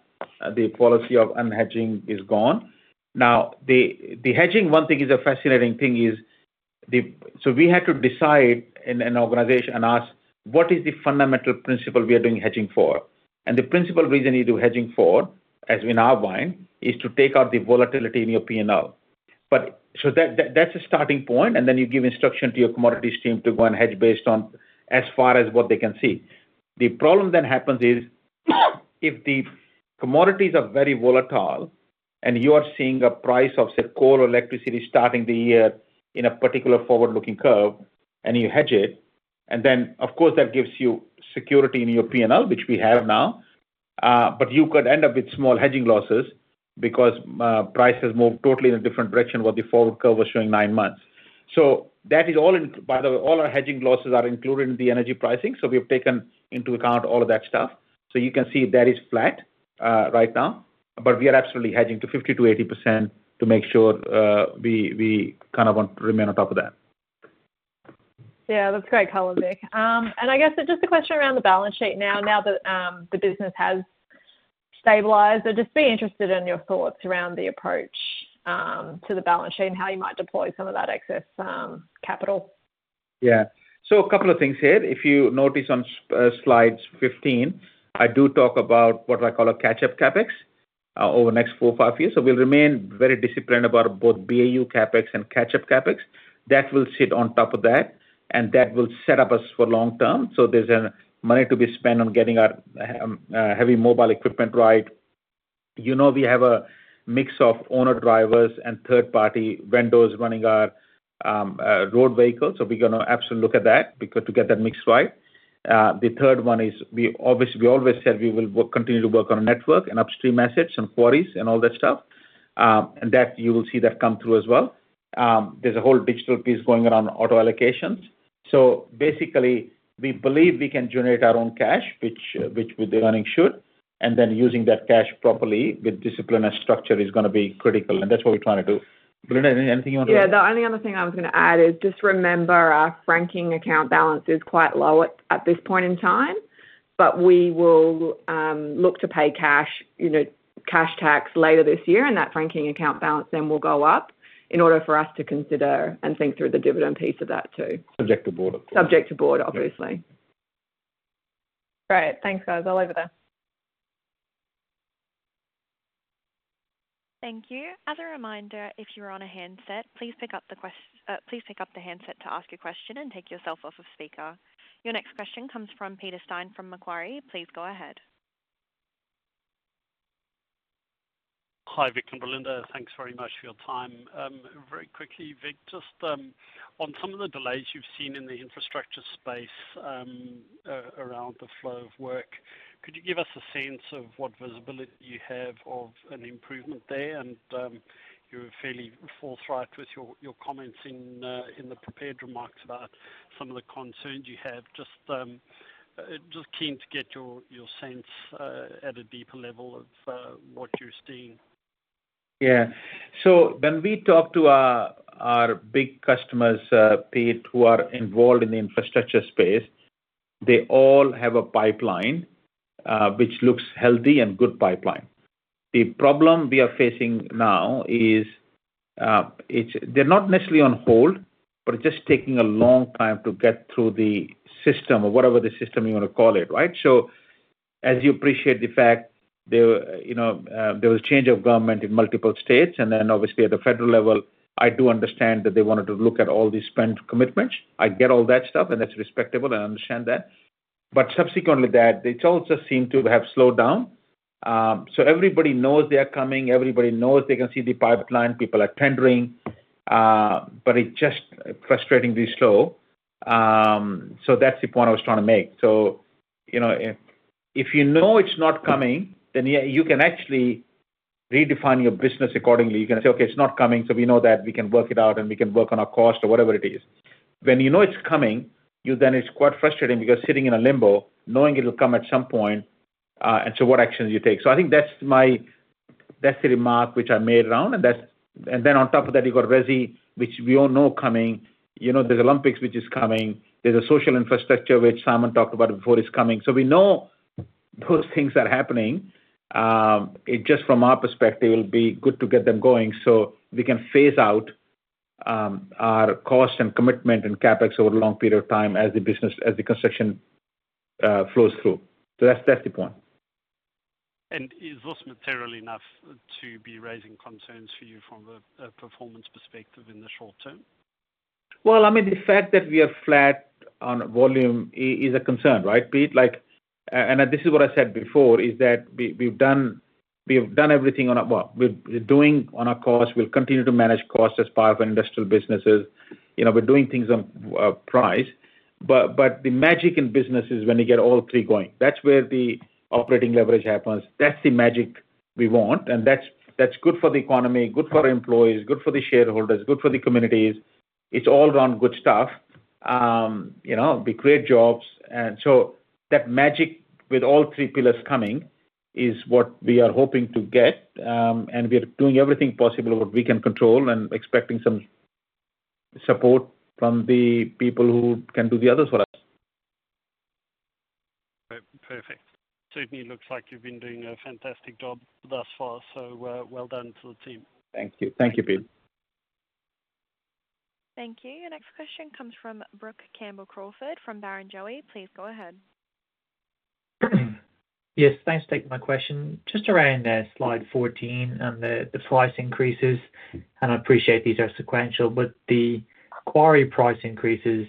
The policy of unhedging is gone. Now, the, the hedging, one thing is a fascinating thing is the so we had to decide in an organization and ask, what is the fundamental principle we are doing hedging for? And the principle reason you do hedging for, as we now buy, is to take out the volatility in your P&L. But so that, that's a starting point, and then you give instruction to your commodities team to go and hedge based on as far as what they can see. The problem then happens is, if the commodities are very volatile and you are seeing a price of, say, coal or electricity starting the year in a particular forward-looking curve, and you hedge it, and then, of course, that gives you security in your P&L, which we have now, but you could end up with small hedging losses because, prices move totally in a different direction what the forward curve was showing nine months. So that is all in... By the way, all our hedging losses are included in the energy pricing, so we've taken into account all of that stuff. So you can see that is flat, right now, but we are absolutely hedging to 50%-80% to make sure, we kind of want to remain on top of that. Yeah, that's great color, Vik. And I guess just a question around the balance sheet, now that the business has stabilized. I'd just be interested in your thoughts around the approach to the balance sheet and how you might deploy some of that excess capital. Yeah. So a couple of things here. If you notice on slides 15, I do talk about what I call a catch-up CapEx over the next four to five years. So we'll remain very disciplined about both BAU CapEx and catch-up CapEx. That will sit on top of that, and that will set up us for long term. So there's money to be spent on getting our heavy mobile equipment right. You know, we have a mix of owner-drivers and third-party vendors running our road vehicles, so we're gonna absolutely look at that, we got to get that mix right. The third one is we obviously, we always said we will work, continue to work on our network and upstream assets and quarries and all that stuff. And that, you will see that come through as well. There's a whole digital piece going around auto allocations. So basically, we believe we can generate our own cash, which the earnings should, and then using that cash properly with discipline and structure is gonna be critical, and that's what we're trying to do. Belinda, anything you want to add? Yeah, the only other thing I was gonna add is just remember our franking account balance is quite low at this point in time. But we will look to pay cash, you know, cash tax later this year, and that franking account balance then will go up in order for us to consider and think through the dividend piece of that, too. Subject to board, of course. Subject to board, obviously. Yeah. Great. Thanks, guys. Over there. Thank you. As a reminder, if you're on a handset, please pick up the handset to ask your question and take yourself off of speaker. Your next question comes from Peter Stein from Macquarie. Please go ahead. Hi, Vic and Belinda. Thanks very much for your time. Very quickly, Vic, just on some of the delays you've seen in the infrastructure space, around the flow of work, could you give us a sense of what visibility you have of an improvement there? And you were fairly forthright with your, your comments in, in the prepared remarks about some of the concerns you have. Just, just keen to get your, your sense at a deeper level of what you're seeing. Yeah. So when we talk to our big customers, Pete, who are involved in the infrastructure space, they all have a pipeline which looks healthy and good pipeline. The problem we are facing now is, it's—they're not necessarily on hold, but it's just taking a long time to get through the system or whatever the system you want to call it, right? So as you appreciate the fact there, you know, there was change of government in multiple states, and then obviously at the federal level, I do understand that they wanted to look at all these spent commitments. I get all that stuff, and it's respectable, I understand that. But subsequently, that it all just seem to have slowed down. So everybody knows they are coming, everybody knows they can see the pipeline, people are tendering, but it's just frustratingly slow. So that's the point I was trying to make. So, you know, if, if you know it's not coming, then, yeah, you can actually redefine your business accordingly. You can say, "Okay, it's not coming, so we know that. We can work it out, and we can work on our cost or whatever it is." When you know it's coming, you then it's quite frustrating because sitting in a limbo, knowing it'll come at some point, and so what actions you take? So I think that's the remark which I made around, and that's... And then on top of that, you got resi, which we all know coming, you know, there's Olympics, which is coming, there's a social infrastructure, which Simon talked about before, is coming. So we know those things are happening. It just from our perspective, it will be good to get them going so we can phase out our cost and commitment and CapEx over a long period of time as the business, as the construction flows through. So that's, that's the point. Is this materially enough to be raising concerns for you from a performance perspective in the short term? Well, I mean, the fact that we are flat on volume is a concern, right, Peter? Like, and this is what I said before, is that we, we've done, we've done everything on our part. We're, we're doing on our cost. We'll continue to manage costs as part of industrial businesses. You know, we're doing things on price, but, but the magic in business is when you get all three going. That's where the operating leverage happens. That's the magic we want, and that's, that's good for the economy, good for our employees, good for the shareholders, good for the communities. It's all around good stuff. You know, we create jobs. And so that magic with all three pillars coming is what we are hoping to get, and we are doing everything possible, what we can control, and expecting some support from the people who can do the others for us. Perfect. Certainly looks like you've been doing a fantastic job thus far, so, well done to the team. Thank you. Thank you, Peter. Thank you. Our next question comes from Brook Campbell-Crawford, from Barrenjoey. Please go ahead. Yes, thanks for taking my question. Just around slide 14 and the price increases, and I appreciate these are sequential, but the quarry price increases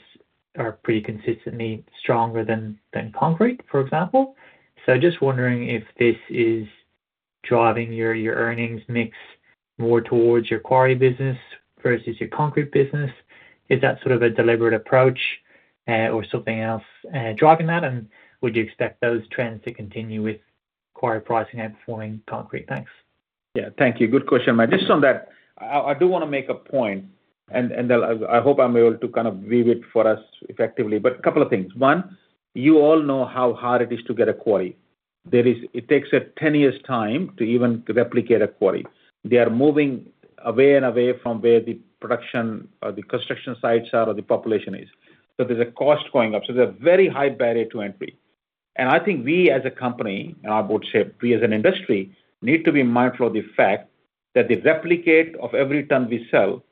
are pretty consistently stronger than concrete, for example. So just wondering if this is driving your earnings mix more towards your quarry business versus your concrete business. Is that sort of a deliberate approach, or something else driving that? And would you expect those trends to continue with quarry pricing outperforming concrete? Thanks. Yeah, thank you. Good question. Just on that, I, I do wanna make a point, and, and then I, I hope I'm able to kind of weave it for us effectively, but a couple of things. One, you all know how hard it is to get a quarry. There is. It takes 10 years time to even replicate a quarry. They are moving away and away from where the production or the construction sites are, or the population is. So there's a cost going up. So there's a very high barrier to entry. And I think we, as a company, and our board shape, we as an industry, need to be mindful of the fact that the replicate of every ton we sell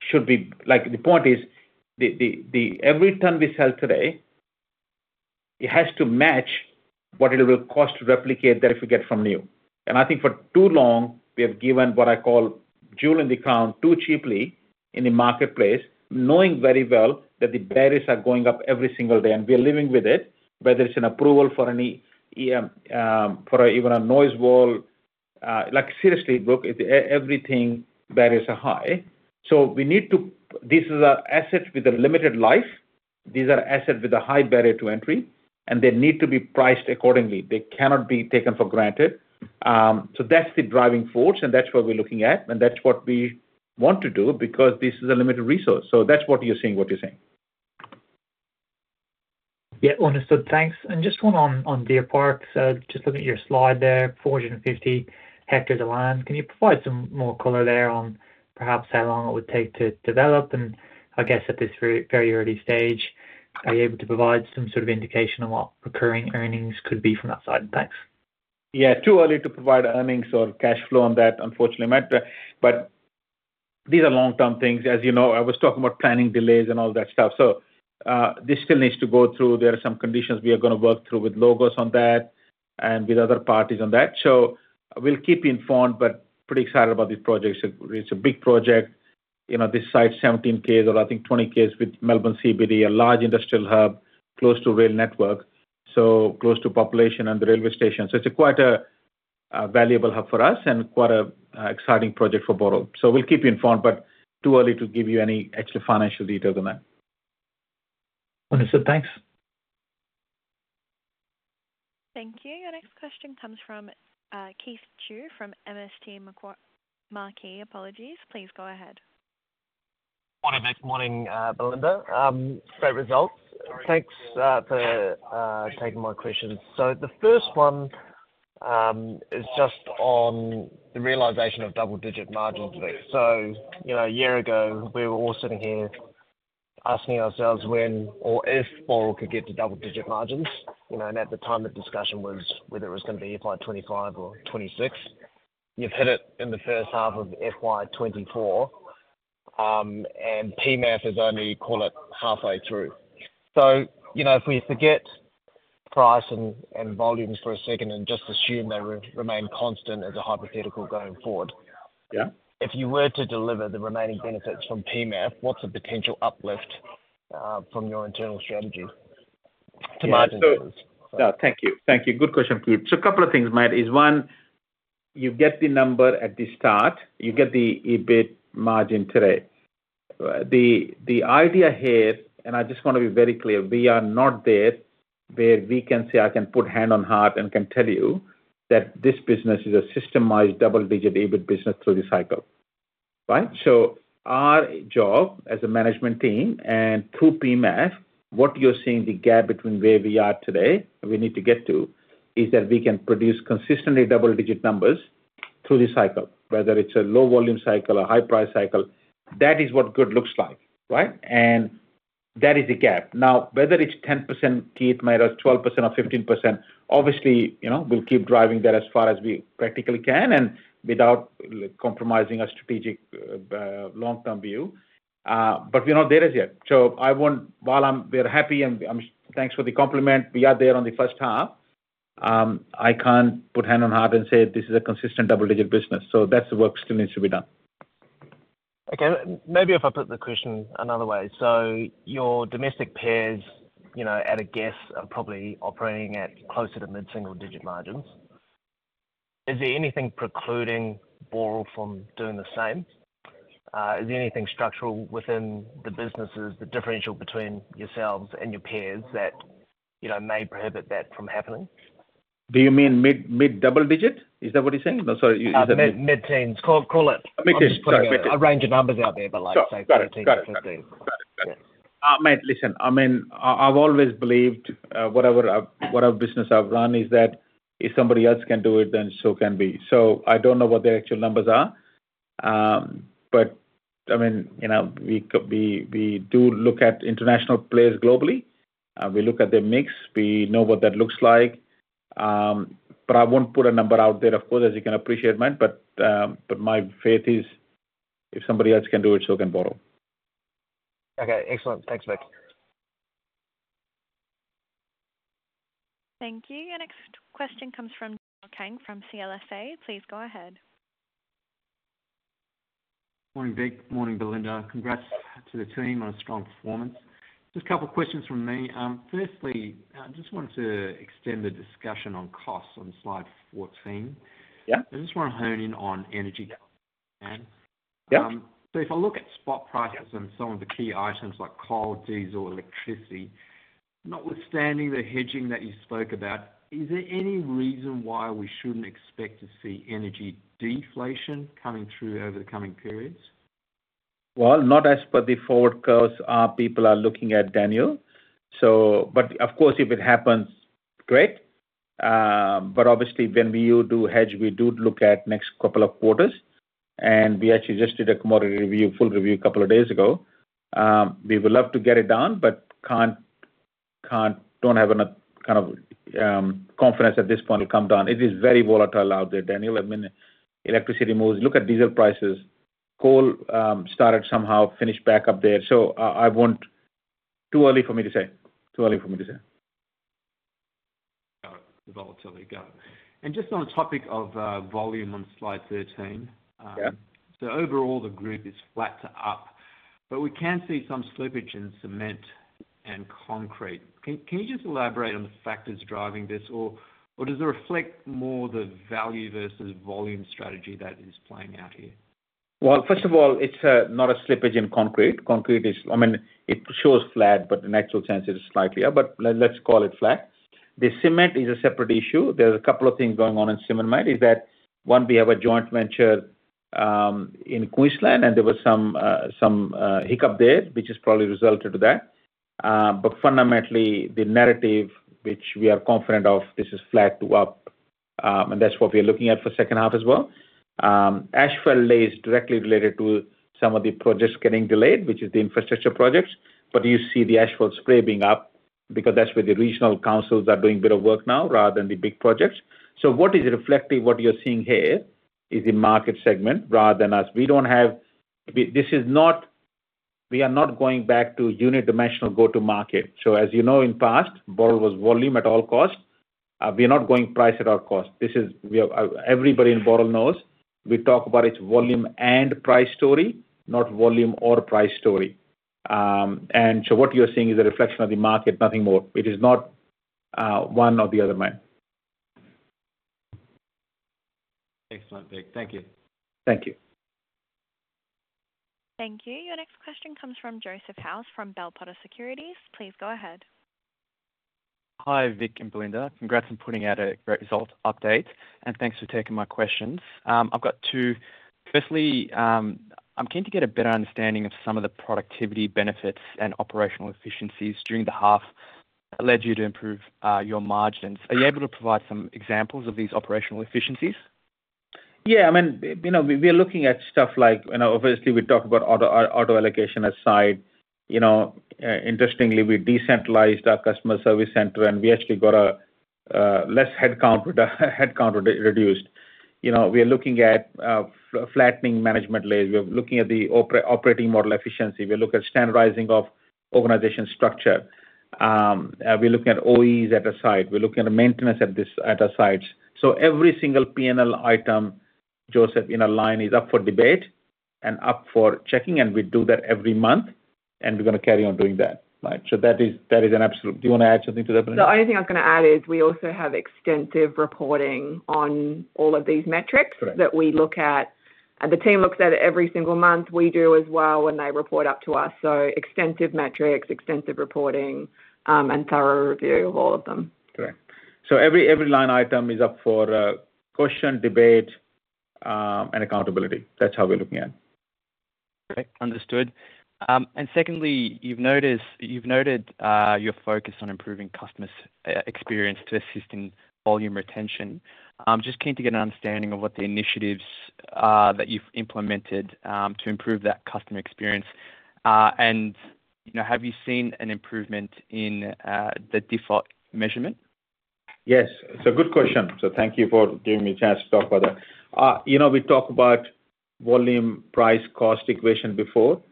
should be... Like, the point is, every ton we sell today, it has to match what it will cost to replicate that if we get from new. And I think for too long, we have given what I call jewel in the crown too cheaply in the marketplace, knowing very well that the barriers are going up every single day, and we are living with it. Whether it's an approval for any for even a noise wall. Like, seriously, look, everything barriers are high. So we need to. This is an asset with a limited life. These are assets with a high barrier to entry, and they need to be priced accordingly. They cannot be taken for granted. So that's the driving force, and that's what we're looking at, and that's what we want to do, because this is a limited resource. So that's what you're seeing, what you're saying. Yeah, understood. Thanks. And just one on Deer Park. So just looking at your slide there, 450 hectares of land. Can you provide some more color there on perhaps how long it would take to develop? And I guess at this very, very early stage, are you able to provide some sort of indication on what recurring earnings could be from that side? Thanks. Yeah, too early to provide earnings or cash flow on that, unfortunately, Matt, but these are long-term things. As you know, I was talking about planning delays and all that stuff. So this still needs to go through. There are some conditions we are going to work through with Logos on that and with other parties on that. So we'll keep you informed, but pretty excited about this project. It's a big project. You know, this site, 17 km's, or I think 20 km's, with Melbourne CBD, a large industrial hub, close to rail network, so close to population and the railway station. So it's quite a valuable hub for us and quite a exciting project for Boral. So we'll keep you informed, but too early to give you any extra financial detail on that. Understood. Thanks. Thank you. Our next question comes from, Keith Chau from MST Marquee. Apologies, please go ahead. Good morning. Morning, Belinda. Great results. Thanks for taking my questions. So the first one is just on the realization of double-digit margins. So, you know, a year ago, we were all sitting here asking ourselves when or if Boral could get to double-digit margins. You know, and at the time, the discussion was whether it was going to be FY 2025 or FY 2026. You've hit it in the first half of FY 2024, and PMF is only, call it, halfway through. So, you know, if we forget price and volumes for a second and just assume they remain constant as a hypothetical going forward- Yeah. If you were to deliver the remaining benefits from PEMAF, what's the potential uplift from your internal strategy to margins? Yeah. So, thank you. Thank you. Good question, Keith. So a couple of things, mate, is, one, you get the number at the start, you get the EBIT margin today. The idea here, and I just want to be very clear, we are not there, where we can say, I can put hand on heart and can tell you that this business is a systemized double-digit EBIT business through the cycle. Right? So our job as a management team and through PMF, what you're seeing, the gap between where we are today and we need to get to, is that we can produce consistently double-digit numbers through the cycle, whether it's a low volume cycle or high price cycle. That is what good looks like, right? And that is the gap. Now, whether it's 10%, Keith, or 12% or 15%, obviously, you know, we'll keep driving that as far as we practically can and without compromising our strategic, long-term view. But we're not there as yet. So I want... While we're happy, and thanks for the compliment, we are there on the first half. I can't put hand on heart and say, this is a consistent double-digit business, so that's the work still needs to be done. Okay, maybe if I put the question another way. So your domestic peers, you know, at a guess, are probably operating at closer to mid-single-digit margins. Is there anything precluding Boral from doing the same? Is there anything structural within the businesses, the differential between yourselves and your peers that, you know, may prohibit that from happening? Do you mean mid, mid double digits? Is that what you're saying? No, sorry, is- Mid-teens. Call it- Mid-teens. I'm just putting a range of numbers out there, but like, say, 13-15. Got it. Got it. Got it. Mate, listen, I mean, I've always believed, whatever, whatever business I've run, is that if somebody else can do it, then so can we. So I don't know what their actual numbers are. But I mean, you know, we could, we do look at international players globally. We look at their mix. We know what that looks like. But I won't put a number out there, of course, as you can appreciate, mate, but, but my faith is, if somebody else can do it, so can Boral. Okay, excellent. Thanks, mate. Thank you. Our next question comes from Daniel Kang, from CLSA. Please go ahead. Morning, Keith. Morning, Belinda. Congrats to the team on a strong performance. Just a couple of questions from me. Firstly, I just wanted to extend the discussion on costs on slide 14. Yeah. I just want to hone in on energy, Dan. Yeah. So, if I look at spot prices on some of the key items like coal, diesel, electricity, notwithstanding the hedging that you spoke about, is there any reason why we shouldn't expect to see energy deflation coming through over the coming periods? Well, not as per the forward curves our people are looking at, Daniel. So... But of course, if it happens, great. But obviously, when we do hedge, we do look at next couple of quarters, and we actually just did a commodity review, full review a couple of days ago. We would love to get it down, but can't, don't have enough kind of confidence at this point it'll come down. It is very volatile out there, Daniel. I mean, electricity moves. Look at diesel prices. Coal started somehow finished back up there. So I won't - too early for me to say. Too early for me to say.... the volatility go. And just on the topic of volume on slide 13. Yeah. So overall, the group is flat to up, but we can see some slippage in cement and concrete. Can you just elaborate on the factors driving this, or dOEEs it reflect more the value versus volume strategy that is playing out here? Well, first of all, it's not a slippage in concrete. Concrete is, I mean, it shows flat, but in actual sense it is slightly up, but let's call it flat. The cement is a separate issue. There's a couple of things going on in cement, is that one, we have a joint venture in Queensland, and there was some hiccup there, which has probably resulted to that. But fundamentally, the narrative which we are confident of, this is flat to up, and that's what we are looking at for second half as well. Asphalt lay is directly related to some of the projects getting delayed, which is the infrastructure projects. But you see the asphalt scraping up, because that's where the regional councils are doing a bit of work now, rather than the big projects. So what is reflective, what you're seeing here, is a market segment rather than us. This is not. We are not going back to unit dimensional go-to market. So as you know, in past, Boral was volume at all cost. We are not going price at all cost. This is, everybody in Boral knows, we talk about its volume and price story, not volume or price story. And so what you're seeing is a reflection of the market, nothing more. It is not one or the other, mate. Excellent, Vik. Thank you. Thank you. Thank you. Your next question comes from Joseph House, from Bell Potter Securities. Please go ahead. Hi, Vik and Belinda. Congrats on putting out a great result update, and thanks for taking my questions. I've got two. Firstly, I'm keen to get a better understanding of some of the productivity benefits and operational efficiencies during the half that led you to improve your margins. Are you able to provide some examples of these operational efficiencies? Yeah, I mean, you know, we are looking at stuff like, you know, obviously, we talked about auto allocation aside. You know, interestingly, we decentralized our customer service center, and we actually got a less headcount, with the headcount reduced. You know, we are looking at flattening management layers. We are looking at the operating model efficiency. We are looking at standardizing of organization structure. We're looking at OEEs at the site. We're looking at maintenance at our sites. So every single P&L item, Joseph, in a line, is up for debate and up for checking, and we do that every month, and we're gonna carry on doing that, right? So that is an absolute. Do you wanna add something to that, Belinda? The only thing I was gonna add is we also have extensive reporting on all of these metrics- Correct. that we look at, and the team looks at it every single month. We do as well when they report up to us. So extensive metrics, extensive reporting, and thorough review of all of them. Correct. So every line item is up for question, debate, and accountability. That's how we're looking at it. Great, understood. And secondly, you've noted your focus on improving customers' experience to assisting volume retention. Just keen to get an understanding of what the initiatives that you've implemented to improve that customer experience. And, you know, have you seen an improvement in the default measurement? Yes, it's a good question, so thank you for giving me a chance to talk about that. You know, we talked about volume, price, cost equation before.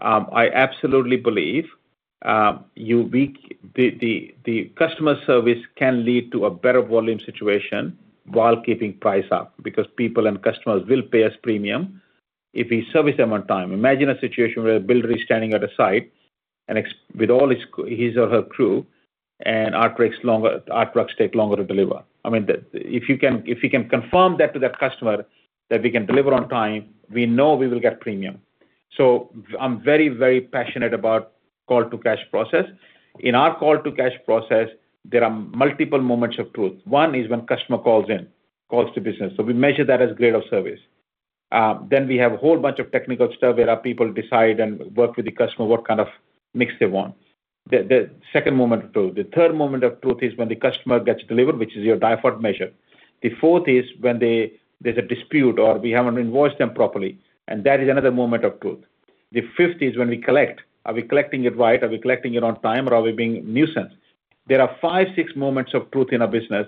I absolutely believe the customer service can lead to a better volume situation while keeping price up, because people and customers will pay us premium if we service them on time. Imagine a situation where a builder is standing at a site and with all his or her crew, and our trucks take longer to deliver. I mean, if you can confirm that to that customer that we can deliver on time, we know we will get premium. So I'm very, very passionate about call to cash process. In our call to cash process, there are multiple moments of truth. One is when customer calls in, calls to business, so we measure that as grade of service. Then we have a whole bunch of technical stuff where our people decide and work with the customer, what kind of mix they want. The second moment of truth. The third moment of truth is when the customer gets delivered, which is your default measure. The fourth is when there's a dispute or we haven't invoiced them properly, and that is another moment of truth. The fifth is when we collect. Are we collecting it right? Are we collecting it on time, or are we being nuisance? There are five, six moments of truth in our business,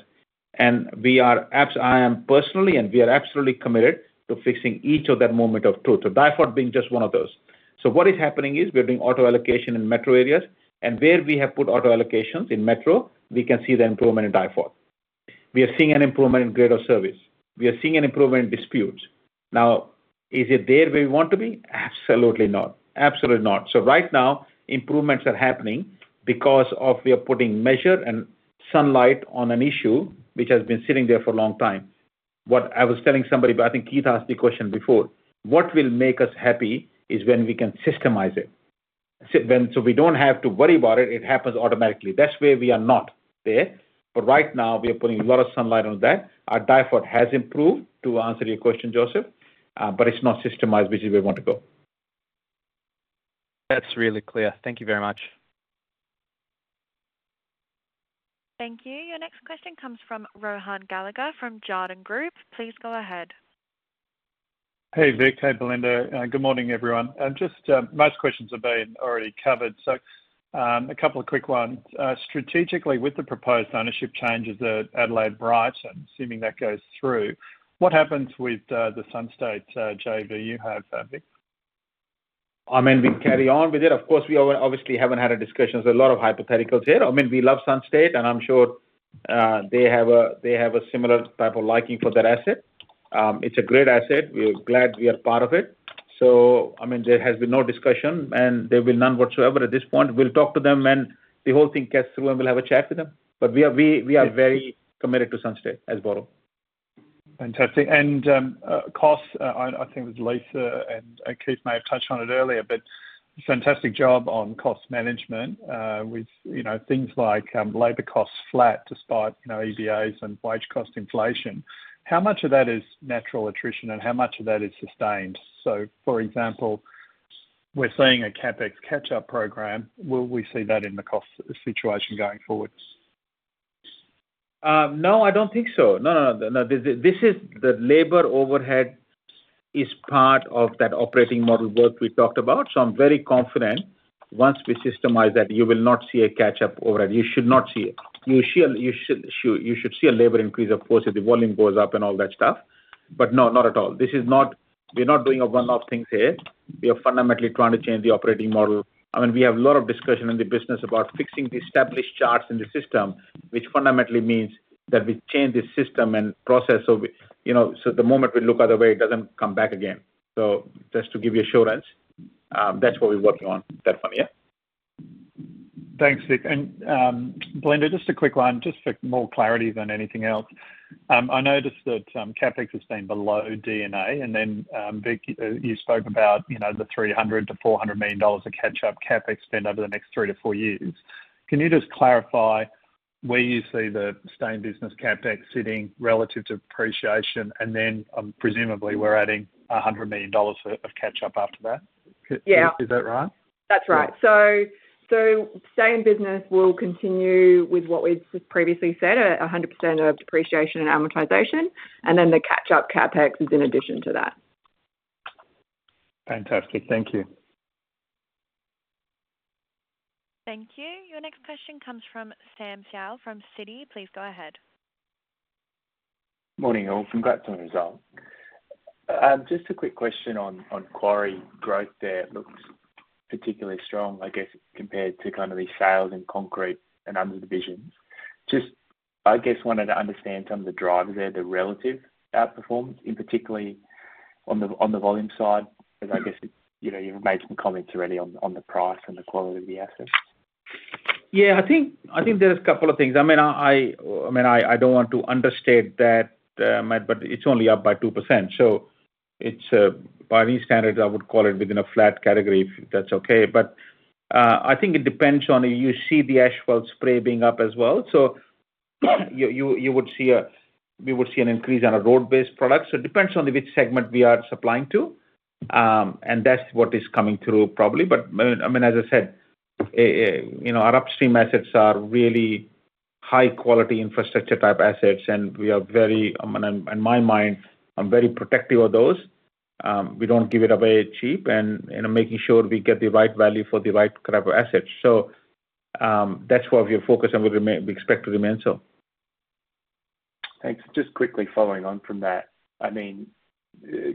and we are abs- I am personally, and we are absolutely committed to fixing each of that moment of truth, so default being just one of those. So what is happening is, we are doing auto allocation in metro areas, and where we have put auto allocations in metro, we can see the improvement in default. We are seeing an improvement in grade of service. We are seeing an improvement in disputes. Now, is it there where we want to be? Absolutely not. Absolutely not. So right now, improvements are happening because of we are putting measure and sunlight on an issue which has been sitting there for a long time. What I was telling somebody, but I think Keith asked the question before: What will make us happy is when we can systemize it. So then, so we don't have to worry about it, it happens automatically. That's where we are not there, but right now we are putting a lot of sunlight on that. Our default has improved, to answer your question, Joseph, but it's not systemized, which is where we want to go. That's really clear. Thank you very much. Thank you. Your next question comes from Rohan Gallagher, from Jarden Group. Please go ahead. Hey, Vik. Hey, Belinda. Good morning, everyone. Just, most questions have been already covered, so, a couple of quick ones. Strategically, with the proposed ownership changes at Adelaide Brighton, and assuming that gOEEs through, what happens with the Sunstate JV you have, Vik? I mean, we carry on with it. Of course, we obviously haven't had a discussion. There's a lot of hypotheticals here. I mean, we love Sunstate, and I'm sure they have a similar type of liking for that asset. It's a great asset. We're glad we are part of it. So, I mean, there has been no discussion, and there will be none whatsoever at this point. We'll talk to them when the whole thing gets through, and we'll have a chat with them. But we are very committed to Sunstate as Barro. Fantastic. And, costs, I think it was Lisa, and Keith may have touched on it earlier, but fantastic job on cost management, with, you know, things like, labour costs flat, despite, you know, EBAs and wage cost inflation. How much of that is natural attrition, and how much of that is sustained? So, for example, we're seeing a CapEx catch-up program. Will we see that in the cost situation going forward? No, I don't think so. No, no, no. This is the labour overhead is part of that operating model work we talked about, so I'm very confident once we systemize that, you will not see a catch-up overhead. You should not see it. You should see a labour increase, of course, if the volume gOEEs up and all that stuff. But no, not at all. This is not... We're not doing a one-off things here. We are fundamentally trying to change the operating model. I mean, we have a lot of discussion in the business about fixing the established charts in the system, which fundamentally means that we change the system and process, so you know, so the moment we look other way, it dOEEsn't come back again. Just to give you assurance, that's what we're working on, that one, yeah. Thanks, Vic. And, Belinda, just a quick one, just for more clarity than anything else. I noticed that, CapEx has been below D&A, and then, Vic, you spoke about, you know, the 300 million-400 million dollars of catch-up CapEx spend over the next three to four years. Can you just clarify where you see the stay in business CapEx sitting relative to depreciation, and then, presumably, we're adding 100 million dollars of, of catch-up after that? Yeah. Is that right? That's right. So stay in business, we'll continue with what we've previously said, 100% of depreciation and amortization, and then the catch-up CapEx is in addition to that. Fantastic. Thank you. Thank you. Your next question comes from Sam Seow, from Citi. Please go ahead. Morning, all. Congrats on the results. Just a quick question on quarry growth there. It looks particularly strong, I guess, compared to kind of the sales and concrete and other divisions. Just, I guess, wanted to understand some of the drivers there, the relative outperformance, in particularly on the volume side, because I guess it's, you know, you've made some comments already on the price and the quality of the assets. Yeah, I think there is a couple of things. I mean, I don't want to understate that, but it's only up by 2%, so it's by these standards, I would call it within a flat category, if that's okay. But, I think it depends on, you see the asphalt spray being up as well, so, you would see a, we would see an increase on a road-based product. So it depends on which segment we are supplying to. And that's what is coming through, probably. But, I mean, as I said, you know, our upstream assets are really high-quality infrastructure-type assets, and we are very, in my mind, I'm very protective of those. We don't give it away cheap, and I'm making sure we get the right value for the right type of assets. So, that's where we are focused, and we expect to remain so. Thanks. Just quickly following on from that. I mean,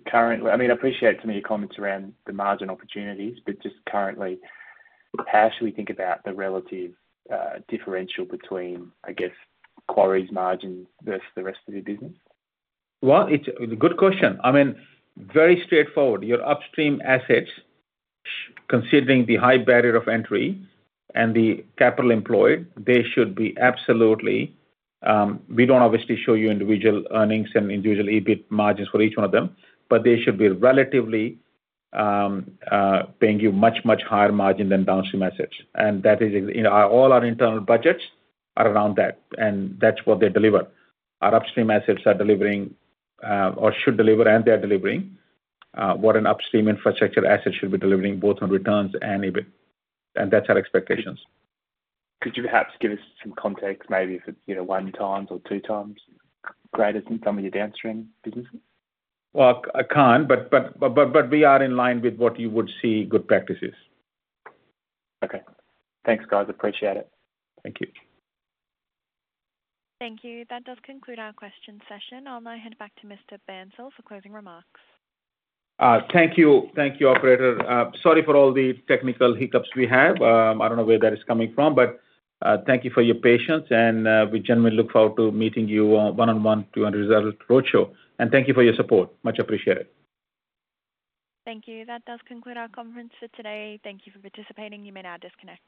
currently, I mean, I appreciate some of your comments around the margin opportunities, but just currently, how should we think about the relative differential between, I guess, quarries' margins versus the rest of your business? Well, it's a good question. I mean, very straightforward. Your upstream assets, considering the high barrier of entry and the capital employed, they should be absolutely. We don't obviously show you individual earnings and individual EBIT margins for each one of them, but they should be relatively paying you much, much higher margin than downstream assets. And that is, you know, all our internal budgets are around that, and that's what they deliver. Our upstream assets are delivering or should deliver, and they are delivering what an upstream infrastructure asset should be delivering, both on returns and EBIT, and that's our expectations. Could you perhaps give us some context, maybe if it's, you know, 1x or 2x greater than some of your downstream businesses? Well, I can't, but we are in line with what you would see good practices. Okay. Thanks, guys, appreciate it. Thank you. Thank you. That dOEEs conclude our question session. I'll now hand it back to Mr. Bansal for closing remarks. Thank you. Thank you, operator. Sorry for all the technical hiccups we have. I don't know where that is coming from, but thank you for your patience, and we generally look forward to meeting you one-on-one during the result roadshow. Thank you for your support. Much appreciated. Thank you. That dOEEs conclude our conference for today. Thank you for participating. You may now disconnect.